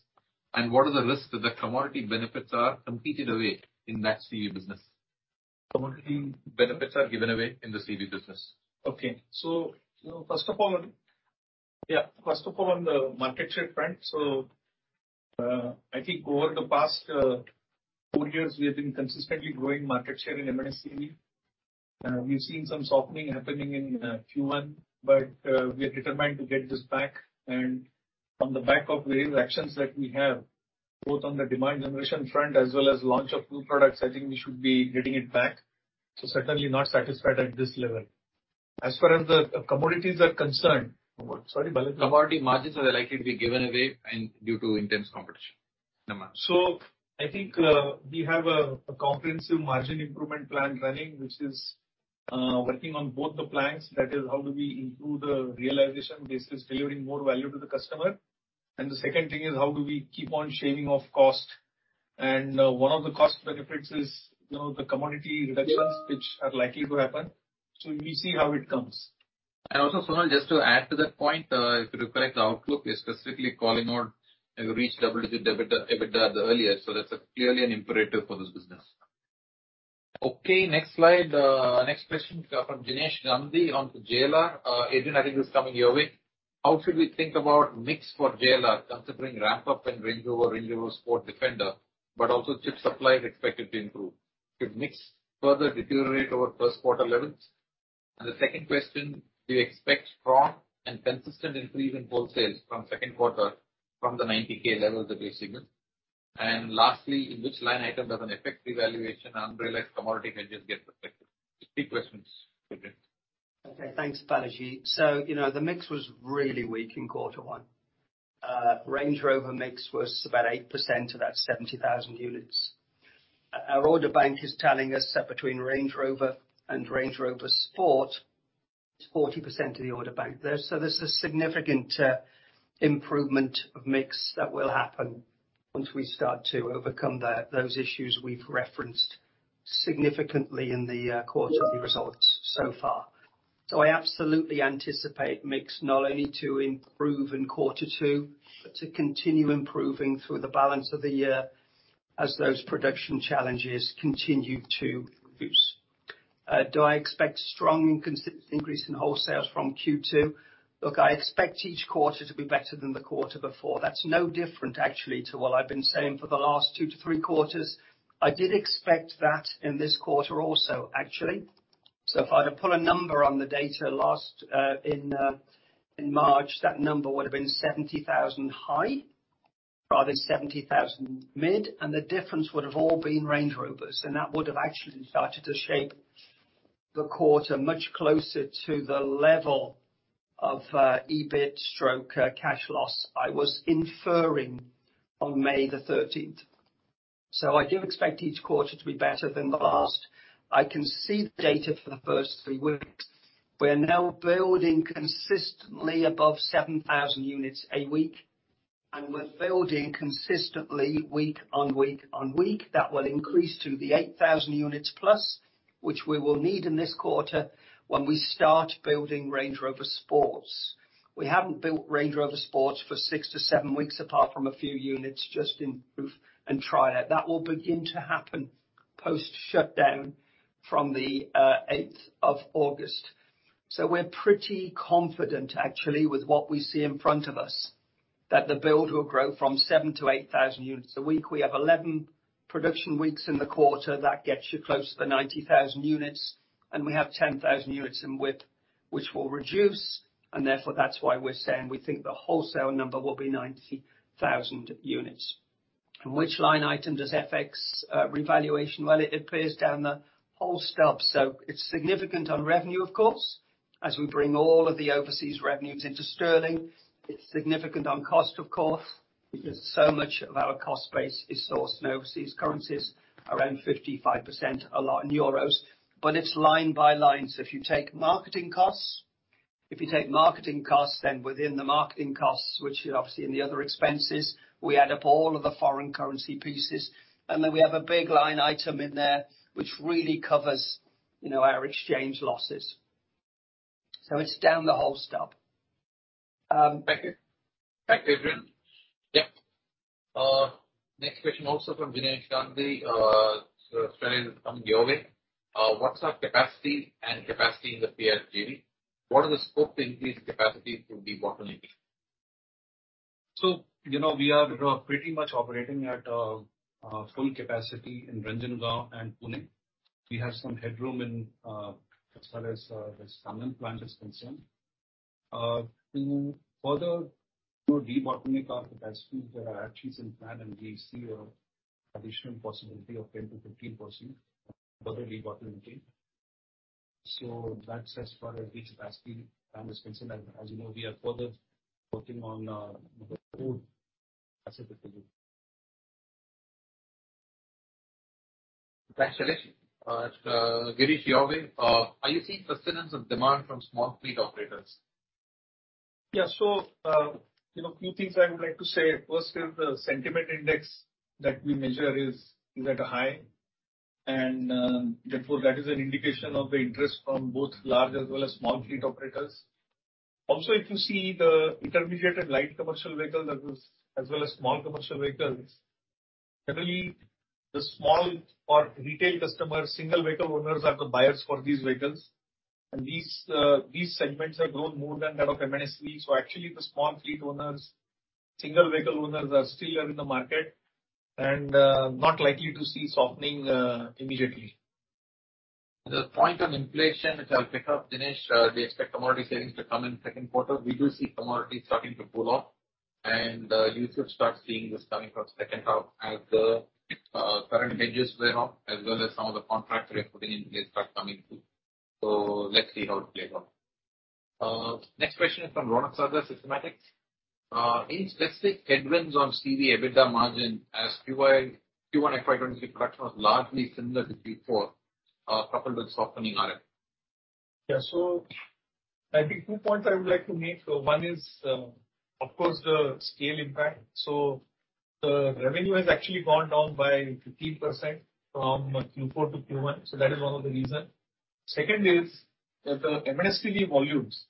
What are the risks that the commodity benefits are competed away in that CV business? Commodity. Benefits are given away in the CV business. First of all, on the market share front. I think over the past four years, we have been consistently growing market share in MHCV. We've seen some softening happening in Q1, but we are determined to get this back. On the back of various actions that we have, both on the demand generation front as well as launch of new products, I think we should be getting it back. Certainly not satisfied at this level. As far as the commodities are concerned. Sorry, Balaji. Commodity margins are likely to be given away due to intense competition. I think we have a comprehensive margin improvement plan running, which is working on both the plans. That is how do we improve the realization basis, delivering more value to the customer. The second thing is how do we keep on shaving off cost. One of the cost benefits is, you know, the commodity reductions which are likely to happen. We see how it comes. Also, Sonal, just to add to that point, if you recall, the outlook is specifically calling out and we reached double-digit EBITDA earlier, so that's clearly an imperative for this business. Okay, next slide. Next question from Dinesh Gandhi on JLR. Adrian, I think this is coming your way. How should we think about mix for JLR considering ramp-up and Range Rover, Range Rover Sport, Defender, but also chip supply is expected to improve. Could mix further deteriorate over first quarter levels? And the second question, do you expect strong and consistent increase in wholesales from second quarter from the 90,000 levels that we signaled? And lastly, in which line item does an effective valuation unrealized commodity hedges get reflected? Three questions. Okay. Thanks, Balaji. You know, the mix was really weak in quarter one. Range Rover mix was about 8% of that 70,000 units. Our order bank is telling us that between Range Rover and Range Rover Sport, it's 40% of the order bank there. There's a significant improvement of mix that will happen once we start to overcome that, those issues we've referenced significantly in the quarterly results so far. I absolutely anticipate mix not only to improve in quarter two, but to continue improving through the balance of the year as those production challenges continue to reduce. Do I expect strong and consistent increase in wholesales from Q2? Look, I expect each quarter to be better than the quarter before. That's no different actually to what I've been saying for the last two to three quarters. I did expect that in this quarter also, actually. If I were to put a number on the data last in March, that number would have been 70,000 high, rather than 70,000 mid, and the difference would have all been Range Rovers. That would have actually started to shape the quarter much closer to the level of EBIT/cash loss I was inferring on May 13th. I do expect each quarter to be better than the last. I can see the data for the first three weeks. We're now building consistently above 7,000 units a week. We're building consistently week on week on week. That will increase to the 8,000 units plus, which we will need in this quarter when we start building Range Rover Sports. We haven't built Range Rover Sport for six to seven weeks, apart from a few units just in proof and trial. That will begin to happen post shutdown from the 8th of August. We're pretty confident actually with what we see in front of us, that the build will grow from 7,000-8,000 units a week. We have 11 production weeks in the quarter. That gets you close to the 90,000 units, and we have 10,000 units in WIP which will reduce, and therefore that's why we're saying we think the wholesale number will be 90,000 units. Which line item does FX revaluation? Well, it appears down the whole stub. It's significant on revenue, of course, as we bring all of the overseas revenues into sterling. It's significant on cost of course, because so much of our cost base is sourced in overseas currencies, around 55%, a lot in euros. It's line by line. If you take marketing costs, then within the marketing costs, which are obviously in the other expenses, we add up all of the foreign currency pieces, and then we have a big line item in there which really covers, you know, our exchange losses. It's down the whole stub. Thank you. Thanks, Adrian. Yep. Next question also from Dinesh Gandhi. So Shailesh, coming your way. What's our capacity utilization in the PV EV? What is the scope to increase capacity through debottlenecking? You know, we are pretty much operating at full capacity in Ranjangaon and Pune. We have some headroom, as far as the Sanand plant is concerned. To further debottleneck our capacity, there are actually some plan and we see an additional possibility of 10%-15% further debottlenecking. That's as far as the capacity plan is concerned. As you know, we are further working on the roadmap with you. Thanks, Shailesh. Girish, your way. Are you seeing persistence of demand from small fleet operators? Few things I would like to say. First is the sentiment index that we measure is at a high and therefore that is an indication of the interest from both large as well as small fleet operators. Also, if you see the intermediate and light commercial vehicles as well as small commercial vehicles, generally the small or retail customers, single vehicle owners are the buyers for these vehicles. These segments have grown more than that of MHCV. Actually the small fleet owners, single vehicle owners are still in the market and not likely to see softening immediately. The point on inflation, which I'll pick up, Dinesh Gandhi, they expect commodity savings to come in second quarter. We do see commodities starting to cool off and you should start seeing this coming from second half as the current hedges wear off, as well as some of the contract repricing in May start coming through. Let's see how it plays out. Next question is from Ronak Sagar, Systematix. Any specific headwinds on CV EBITDA margin as Q1 FY 2023 production was largely similar to Q4, coupled with softening RF? Yeah. I think two points I would like to make. One is, of course, the scale impact. The revenue has actually gone down by 15% from Q4 to Q1. That is one of the reason. Second is that the MHCV volumes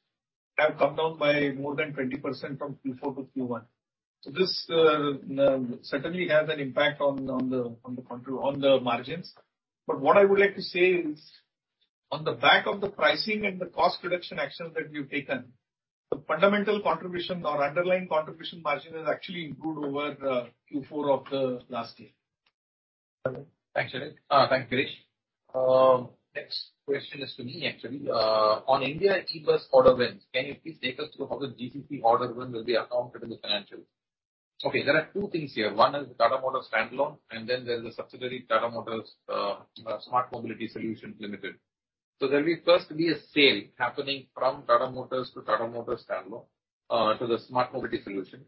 have come down by more than 20% from Q4 to Q1. This certainly has an impact on the margins. What I would like to say is on the back of the pricing and the cost reduction actions that we've taken, the fundamental contribution or underlying contribution margin has actually improved over Q4 of the last year. Thanks, Shailesh. Thanks, Girish. Next question is to me actually. On India e-bus order wins, can you please take us through how the GCP order win will be accounted in the financials? Okay, there are two things here. One is Tata Motors standalone, and then there's a subsidiary, Tata Motors Smart City Mobility Solutions Limited. So there'll be first be a sale happening from Tata Motors to Tata Motors standalone, to the Smart City Mobility Solution.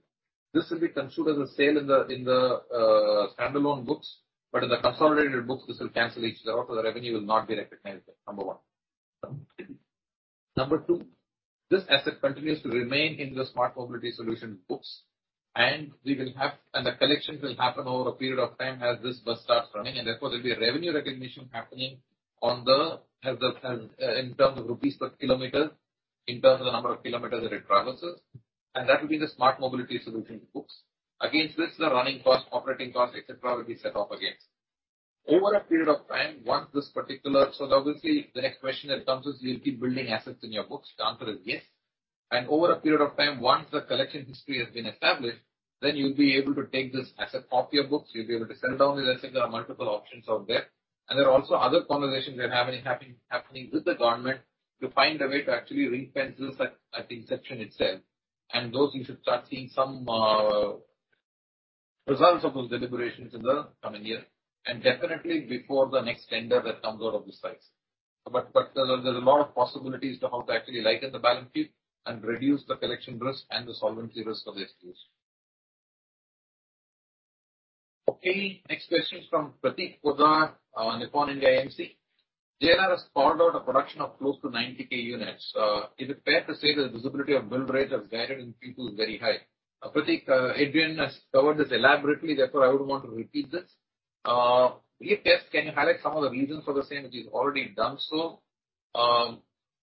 This will be considered as a sale in the standalone books, but in the consolidated books, this will cancel each other out, so the revenue will not be recognized, number one. Number two, this asset continues to remain in the Smart City Mobility Solution books, and we will have. The collections will happen over a period of time as this bus starts running, and therefore there'll be a revenue recognition happening in terms of rupees per kilometer, in terms of the number of kilometers that it traverses. That will be the Smart Mobility Solution books. Against this, the running cost, operating cost, et cetera, will be set off against. Over a period of time, once this particular, obviously, the next question that comes is, will you keep building assets in your books? The answer is yes. Over a period of time, once the collection history has been established, then you'll be able to take this asset off your books. You'll be able to sell down the asset. There are multiple options out there. There are also other conversations we're having, happening with the government to find a way to actually repayment this at inception itself. Those you should start seeing some results of those deliberations in the coming year. Definitely before the next tender that comes out of the sites. But there's a lot of possibilities to how to actually lighten the balance sheet and reduce the collection risk and the solvency risk of the SPV. Okay. Next question is from Prateek Khodiyar, Nippon India AMC. JLR has called out a production of close to 90K units. Is it fair to say that the visibility of build rate as guided in Q2 is very high? Prateek, Adrian has covered this elaborately, therefore I wouldn't want to repeat this. If yes, can you highlight some of the reasons for the same, which he's already done so. On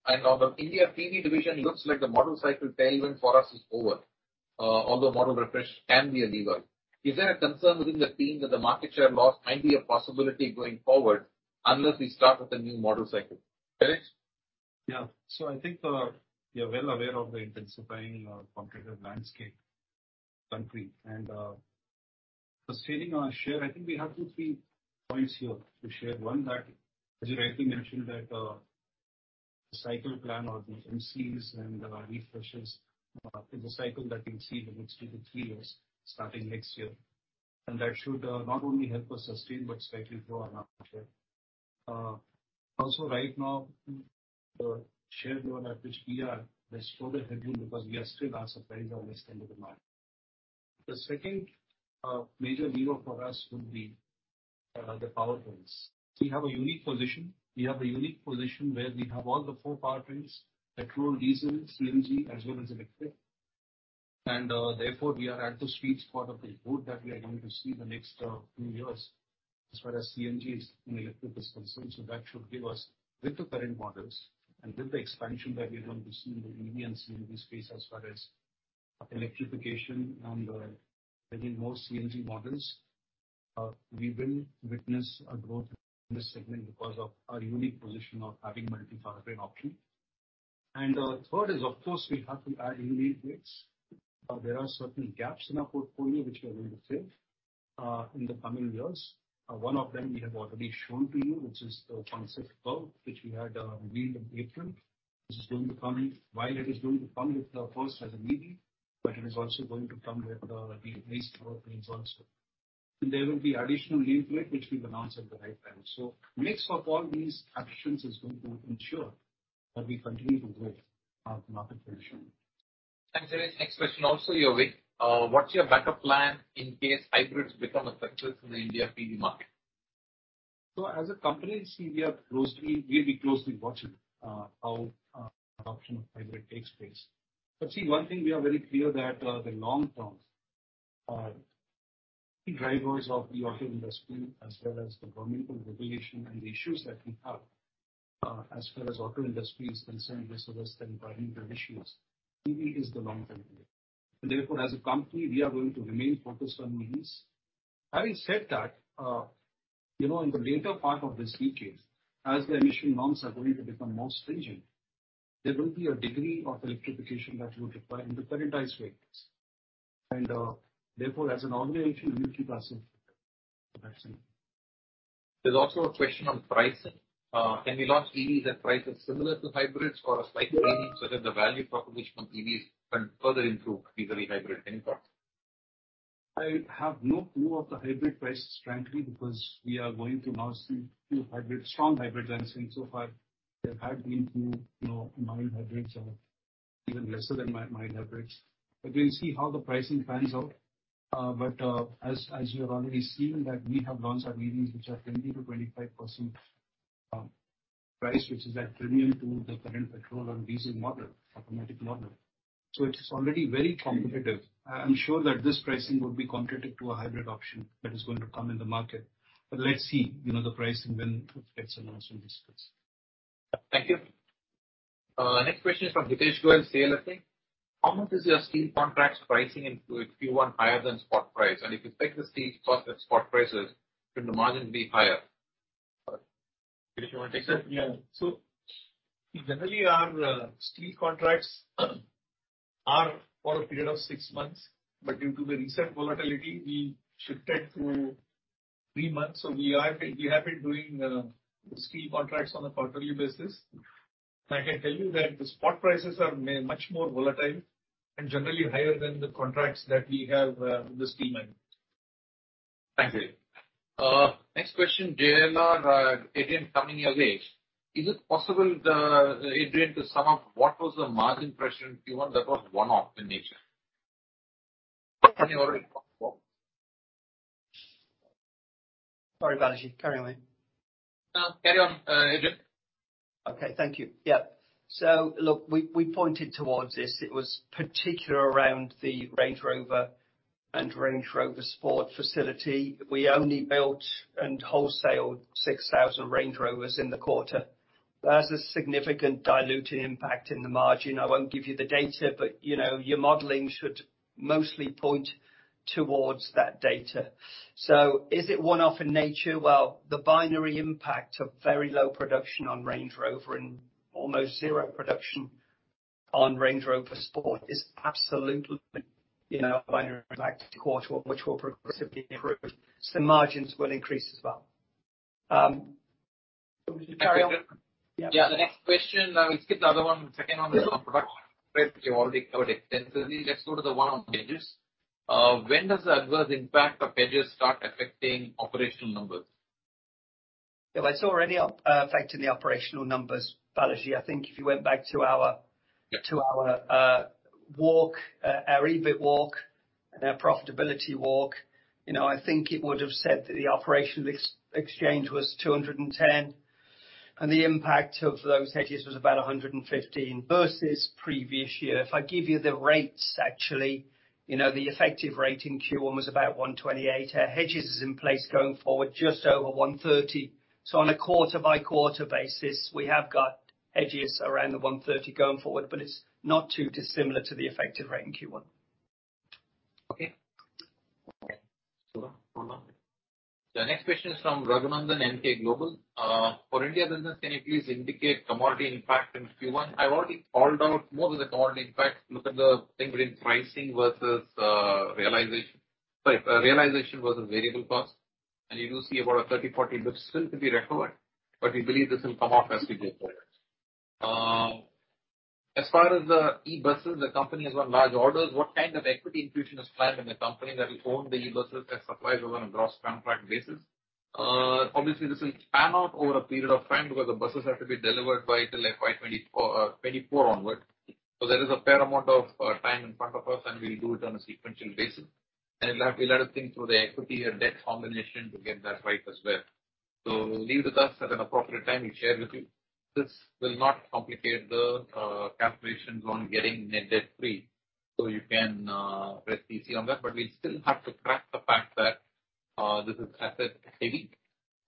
the India PV division, looks like the model cycle tailwind for us is over, although model refresh can be a lever. Is there a concern within the team that the market share loss might be a possibility going forward unless we start with a new model cycle? Shailesh? Yeah. I think we are well aware of the intensifying competitive landscape in the country. Sustaining our share, I think we have two, three points here to share. One that, as you rightly mentioned, the cycle plan or the MCs and the refreshes is a cycle that we'll see in the next two to three years, starting next year. That should not only help us sustain but slightly grow our market share. Also right now, the share growth at which we are is further helping because we are still undersupplied on this kind of demand. The second major lever for us would be the powertrains. We have a unique position where we have all four powertrains, petrol, diesel, CNG as well as electric. Therefore, we are at the sweet spot of the growth that we are going to see in the next few years, as far as CNGs and electric is concerned. That should give us with the current models and with the expansion that we are going to see in the EV and CNG space as far as electrification and adding more CNG models, we will witness a growth in this segment because of our unique position of having multi-powertrain option. Third is of course, we have to add new vehicles. There are certain gaps in our portfolio which we are going to fill in the coming years. One of them we have already shown to you, which is the concept Curvv, which we had revealed in April, which is going to come in. While it is going to come with first as an EV, but it is also going to come with the ICE powertrains also. There will be additional input which we'll announce at the right time. Mix of all these actions is going to ensure that we continue to grow our market penetration. Thanks, Shailesh. Next question also your way. What's your backup plan in case hybrids become effective in the India PV market? As a company, see, we'll be closely watching how adoption of hybrid takes place. See one thing we are very clear that the long term key drivers of the auto industry as well as the governmental regulation and the issues that we have as far as auto industry is concerned with regards to environmental issues, EV is the long term play. Therefore, as a company, we are going to remain focused on EVs. Having said that, you know, in the later part of this decade, as the emission norms are going to become more stringent, there will be a degree of electrification that will require in the current ICE vehicles. Therefore, as an OEM, we need to have a There's also a question on pricing. Can we launch EVs at prices similar to hybrids or a slight premium such that the value proposition from EVs can further improve vis-à-vis hybrid? Any thoughts? I have no clue of the hybrid prices frankly, because we are going to now see few hybrid, strong hybrids I am seeing so far. There have been few, you know, mild hybrids or even lesser than mild hybrids. We'll see how the pricing pans out. As you have already seen that we have launched our EVs which are 20%-25% price which is at premium to the current petrol and diesel model, automatic model. It is already very competitive. I am sure that this pricing would be competitive to a hybrid option that is going to come in the market. Let's see, you know, the pricing when it gets announced and discussed. Thank you. Next question is from Hitesh Goel, CLSA. How much is your steel contracts pricing in Q1 higher than spot price? And if you fix the steel cost at spot prices, shouldn't the margin be higher? Girish, you wanna take that? Generally our steel contracts are for a period of six months, but due to the recent volatility, we shifted to three months. We have been doing steel contracts on a quarterly basis. I can tell you that the spot prices are much more volatile and generally higher than the contracts that we have in the steel mills. Thanks, Girish. Next question, JLR, Adrian, coming your way. Is it possible, Adrian, to sum up what was the margin pressure in Q1 that was one-off in nature? Sorry, Balaji, carry on then. No, carry on, Adrian. Okay, thank you. Yeah. Look, we pointed towards this. It was particular around the Range Rover and Range Rover Sport facility. We only built and wholesaled 6,000 Range Rovers in the quarter. That's a significant diluting impact in the margin. I won't give you the data, but you know, your modeling should mostly point towards that data. Is it one-off in nature? Well, the binary impact of very low production on Range Rover and almost zero production on Range Rover Sport is absolutely, you know, binary impact quarter, which will progressively improve. Margins will increase as well. Carry on. Yeah. The next question, I will skip the other one, the second one on product, which you've already covered extensively. Let's go to the one on hedges. When does the adverse impact of hedges start affecting operational numbers? If I saw any effect in the operational numbers, Balaji, I think if you went back to our. Yeah. To our walk our EBIT walk and our profitability walk, you know, I think it would have said that the operational ex-exchange was 210, and the impact of those hedges was about 115 versus previous year. If I give you the rates, actually, you know, the effective rate in Q1 was about 128. Our hedges is in place going forward just over 130. So on a quarter-by-quarter basis, we have got hedges around the 130 going forward, but it's not too dissimilar to the effective rate in Q1. Okay. One more. The next question is from Raghunandan N. L., Emkay Global. For India business, can you please indicate commodity impact in Q1? I've already called out more of the commodity impact. Look at the thing between pricing versus realization. Sorry, realization was a variable cost, and you will see about a 30-40 basis points still to be recovered. We believe this will come off as we go forward. As far as the e-buses, the company is on large orders. What kind of equity infusion is planned in the company that will own the e-buses and suppliers on a gross contract basis? Obviously, this will pan out over a period of time because the buses have to be delivered by 2024 onward. There is a fair amount of time in front of us, and we'll do it on a sequential basis. We'll have to think through the equity and debt combination to get that right as well. Leave with us at an appropriate time. We'll share with you. This will not complicate the calculations on getting net debt free. You can rest easy on that. We still have to crack the fact that this is asset heavy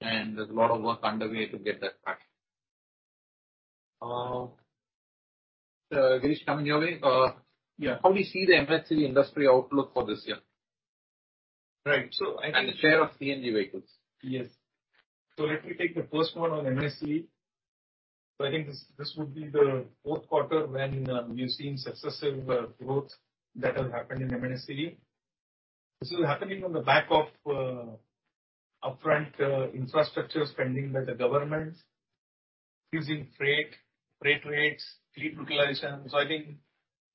and there's a lot of work underway to get that back. Girish, coming your way. Yeah. How do you see the MHCV industry outlook for this year? Right. I think. The share of CNG vehicles. Yes. Let me take the first one on MHCV. I think this would be the fourth quarter when we've seen successive growth that has happened in MHCV. This is happening on the back of upfront infrastructure spending by the government using freight rates, fleet utilization. I think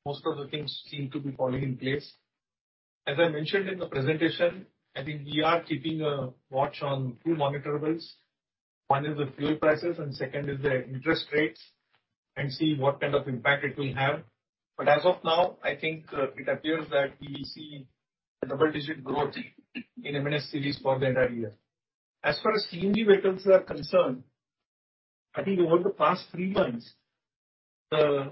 most of the things seem to be falling in place. As I mentioned in the presentation, I think we are keeping a watch on two monitorables. One is the fuel prices, and second is the interest rates, and see what kind of impact it will have. As of now, I think it appears that we will see a double-digit growth in MHCVs for the entire year. As far as CNG vehicles are concerned, I think over the past three months, the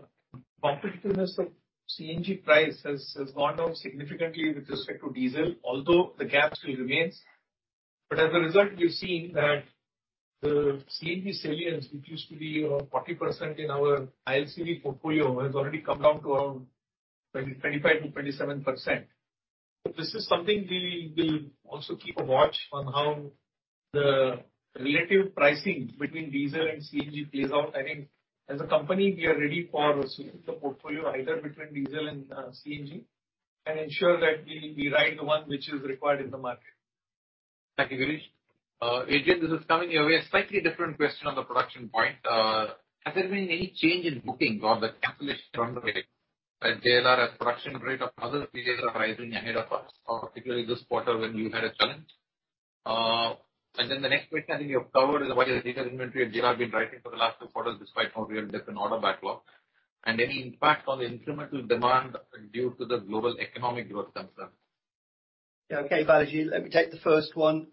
competitiveness of CNG price has gone down significantly with respect to diesel, although the gap still remains. As a result, we've seen that the CNG salience, which used to be, you know, 40% in our ILCV portfolio, has already come down to around 20%, 25%-27%. This is something we will also keep a watch on how the relative pricing between diesel and CNG plays out. I think as a company, we are ready for switching the portfolio either between diesel and CNG and ensure that we ride the one which is required in the market. Thank you, Girish. Adrian, this is coming your way. A slightly different question on the production point. Has there been any change in bookings or the cancellation rate at JLR as production rate of other pieces are rising ahead of us, particularly this quarter when you had a challenge? The next question I think you have covered is why the dealer inventory at JLR been rising for the last two quarters despite no real different order backlog. Any impact on the incremental demand due to the global economic growth concern. Yeah. Okay, Balaji, let me take the first one.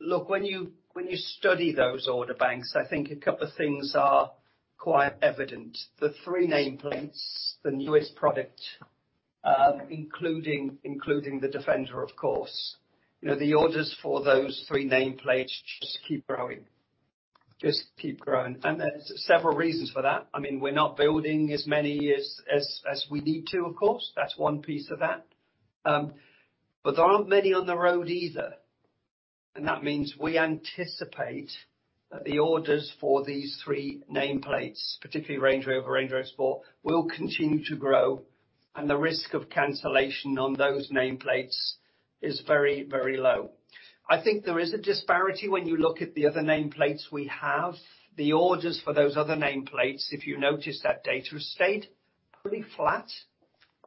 Look, when you study those order books, I think a couple of things are quite evident. The three nameplates, the newest product, including the Defender, of course. You know, the orders for those three nameplates just keep growing. There's several reasons for that. I mean, we're not building as many as we need to, of course. That's one piece of that. There aren't many on the road either. That means we anticipate that the orders for these three nameplates, particularly Range Rover, Range Rover Sport, will continue to grow and the risk of cancellation on those nameplates is very, very low. I think there is a disparity when you look at the other nameplates we have. The orders for those other nameplates, if you notice that data, have stayed pretty flat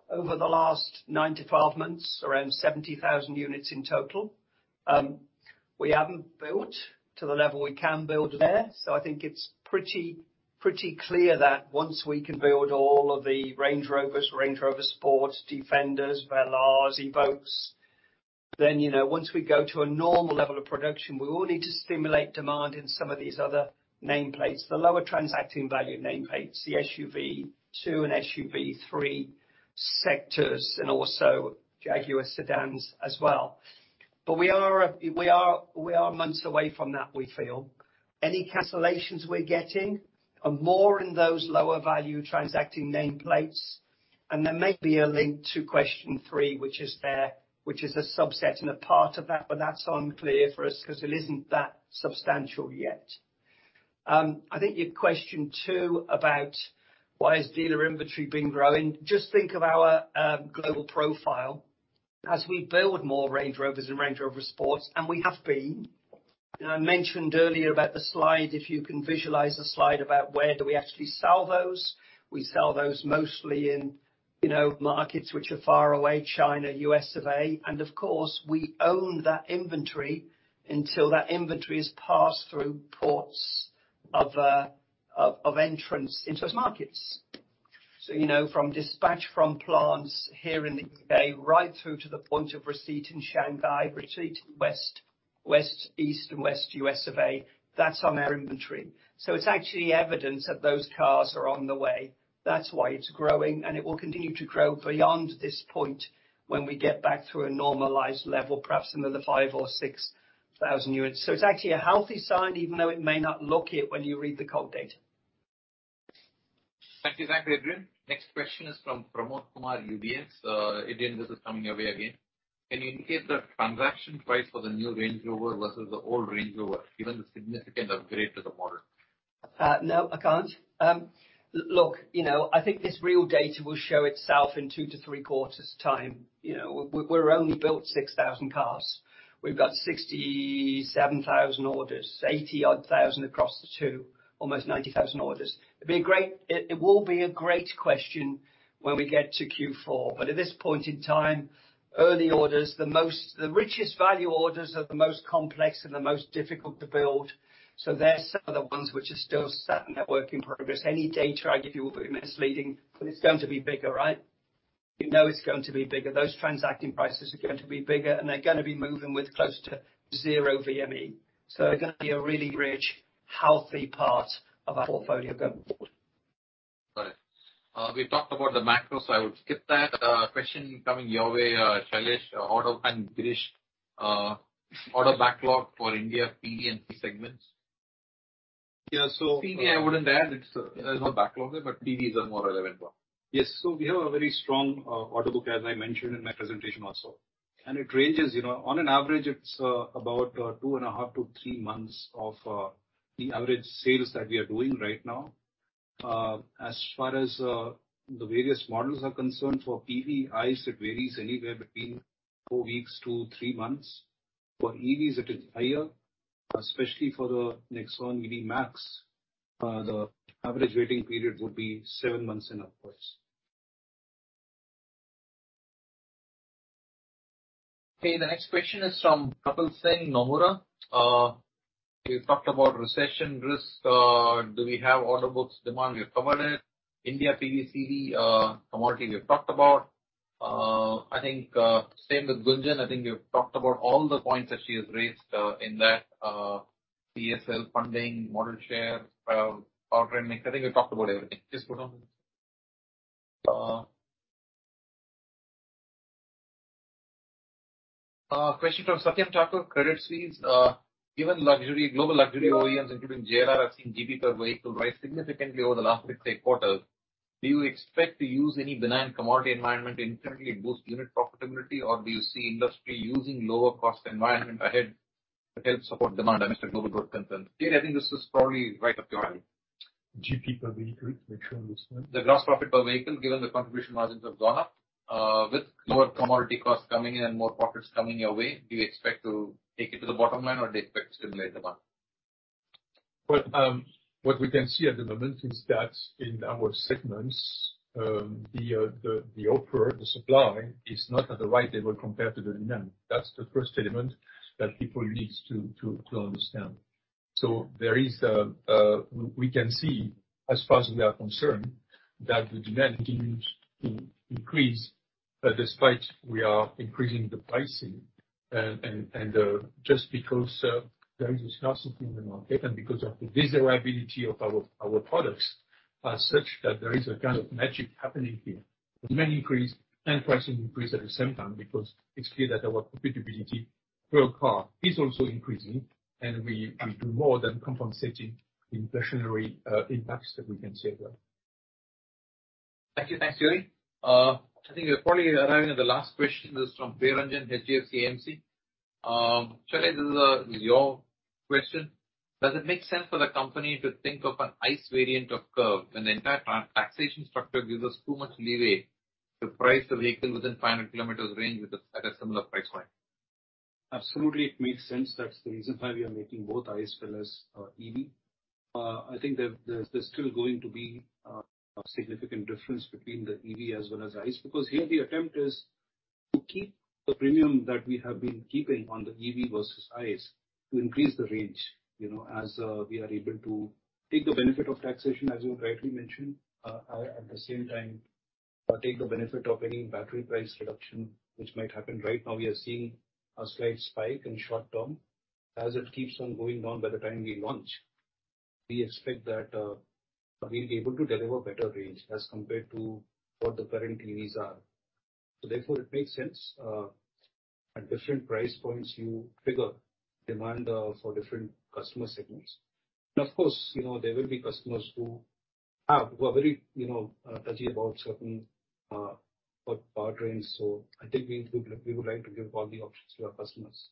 over the last nine to 12 months, around 70,000 units in total. We haven't built to the level we can build there. I think it's pretty clear that once we can build all of the Range Rovers, Range Rover Sports, Defenders, Velar, Evoque, then, you know, once we go to a normal level of production, we will need to stimulate demand in some of these other nameplates. The lower transacting value nameplates, the SUV 2 and SUV 3 sectors, and also Jaguar sedans as well. We are months away from that, we feel. Any cancellations we're getting are more in those lower value transacting nameplates. There may be a link to question three, which is there, which is a subset and a part of that, but that's unclear for us 'cause it isn't that substantial yet. I think your question two about why is dealer inventory been growing, just think of our global profile. As we build more Range Rovers and Range Rover Sports, and we have been. You know, I mentioned earlier about the slide, if you can visualize the slide about where do we actually sell those. We sell those mostly in. You know, markets which are far away, China, U.S. of A. Of course, we own that inventory until that inventory is passed through ports of entrance into those markets. You know, from dispatch from plants here in the UK right through to the point of receipt in Shanghai, receipt West. East and West U.S. of A, that's on our inventory. It's actually evidence that those cars are on the way. That's why it's growing, and it will continue to grow beyond this point when we get back to a normalized level, perhaps another 5,000 or 6,000 units. It's actually a healthy sign, even though it may not look it when you read the cold data. Thank you. Thanks, Adrian. Next question is from Pramod Kumar, UBS. Adrian, this is coming your way again. Can you indicate the transaction price for the new Range Rover versus the old Range Rover, given the significant upgrade to the model? No, I can't. Look, you know, I think this real data will show itself in two to three quarters time. You know, we've only built 6,000 cars. We've got 67,000 orders, 80-odd thousand across the two, almost 90,000 orders. It will be a great question when we get to Q4. At this point in time, early orders, the richest value orders are the most complex and the most difficult to build, so they're some of the ones which are still sat in that work in progress. Any data I give you will be misleading. It's going to be bigger, right? You know it's going to be bigger. Those transacting prices are going to be bigger, and they're gonna be moving with close to zero VME. They're gonna be a really rich, healthy part of our portfolio going forward. Got it. We've talked about the macro, so I will skip that. Question coming your way, Shailesh, auto order backlog for India PV and EV segments. Yeah. PE, I wouldn't add. It's, there's no backlog there, but PEs are more relevant one. Yes. We have a very strong order book, as I mentioned in my presentation also. It ranges, you know, on an average, it's about two and a half to three months of the average sales that we are doing right now. As far as the various models are concerned, for PEIs, it varies anywhere between four weeks to three months. For EVs, it is higher, especially for the Nexon EV Max, the average waiting period would be seven months and upwards. Okay, the next question is from Kapil Singh, Nomura. You've talked about recession risk. Do we have order books demand? We've covered it. India PV, commodity we have talked about. I think, same with Gunjan. I think we've talked about all the points that she has raised, in that, CLSA funding, model share, powertrain mix. I think we've talked about everything. Just go down the list. Question from Satyam Thakur, Credit Suisse. Given luxury, global luxury OEMs, including JLR, have seen GP per vehicle rise significantly over the last six to eight quarters, do you expect to use any benign commodity environment to internally boost unit profitability? Or do you see industry using lower cost environment ahead to help support demand amidst a global growth concern? Thierry, I think this is probably right up your alley. GP per vehicle, to make sure I understand. The gross profit per vehicle, given the contribution margins have gone up. With lower commodity costs coming in and more profits coming your way, do you expect to take it to the bottom line or do you expect to stimulate demand? Well, what we can see at the moment is that in our segments, the supply is not at the right level compared to the demand. That's the first element that people needs to understand. We can see, as far as we are concerned, that the demand continues to increase despite we are increasing the pricing. Just because there is a scarcity in the market and because of the desirability of our products are such that there is a kind of magic happening here. Demand increase and pricing increase at the same time because it's clear that our profitability per car is also increasing and we do more than compensating inflationary impacts that we can see as well. Thank you. Thanks, Thierry. I think we're probably arriving at the last question. This is from Priya Ranjan, HDFC AMC. Shailesh, this is your question. Does it make sense for the company to think of an ICE variant of Curvv when the entire taxation structure gives us too much leeway to price the vehicle within 500 km range at a similar price point? Absolutely, it makes sense. That's the reason why we are making both ICE as well as EV. I think there's still going to be a significant difference between the EV as well as ICE. Because here the attempt is to keep the premium that we have been keeping on the EV versus ICE to increase the range, you know, as we are able to take the benefit of taxation, as you rightly mentioned. At the same time, take the benefit of any battery price reduction which might happen. Right now we are seeing a slight spike in short term. As it keeps on going down by the time we launch, we expect that we'll be able to deliver better range as compared to what the current EVs are. Therefore, it makes sense, at different price points you trigger demand, for different customer segments. Of course, you know, there will be customers who are very, you know, touchy about certain powertrains. I think we would like to give all the options to our customers.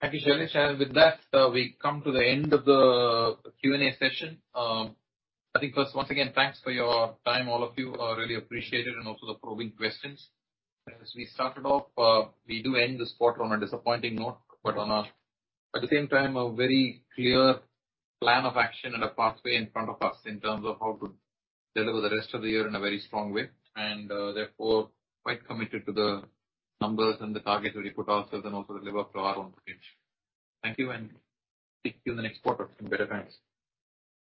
Thank you, Shailesh. With that, we come to the end of the Q&A session. I think first, once again, thanks for your time, all of you. Really appreciate it and also the probing questions. As we started off, we do end this quarter on a disappointing note, but, at the same time, a very clear plan of action and a pathway in front of us in terms of how to deliver the rest of the year in a very strong way. Therefore, quite committed to the numbers and the targets that we put ourselves and also deliver to our own expectations. Thank you, and speak to you in the next quarter in better times.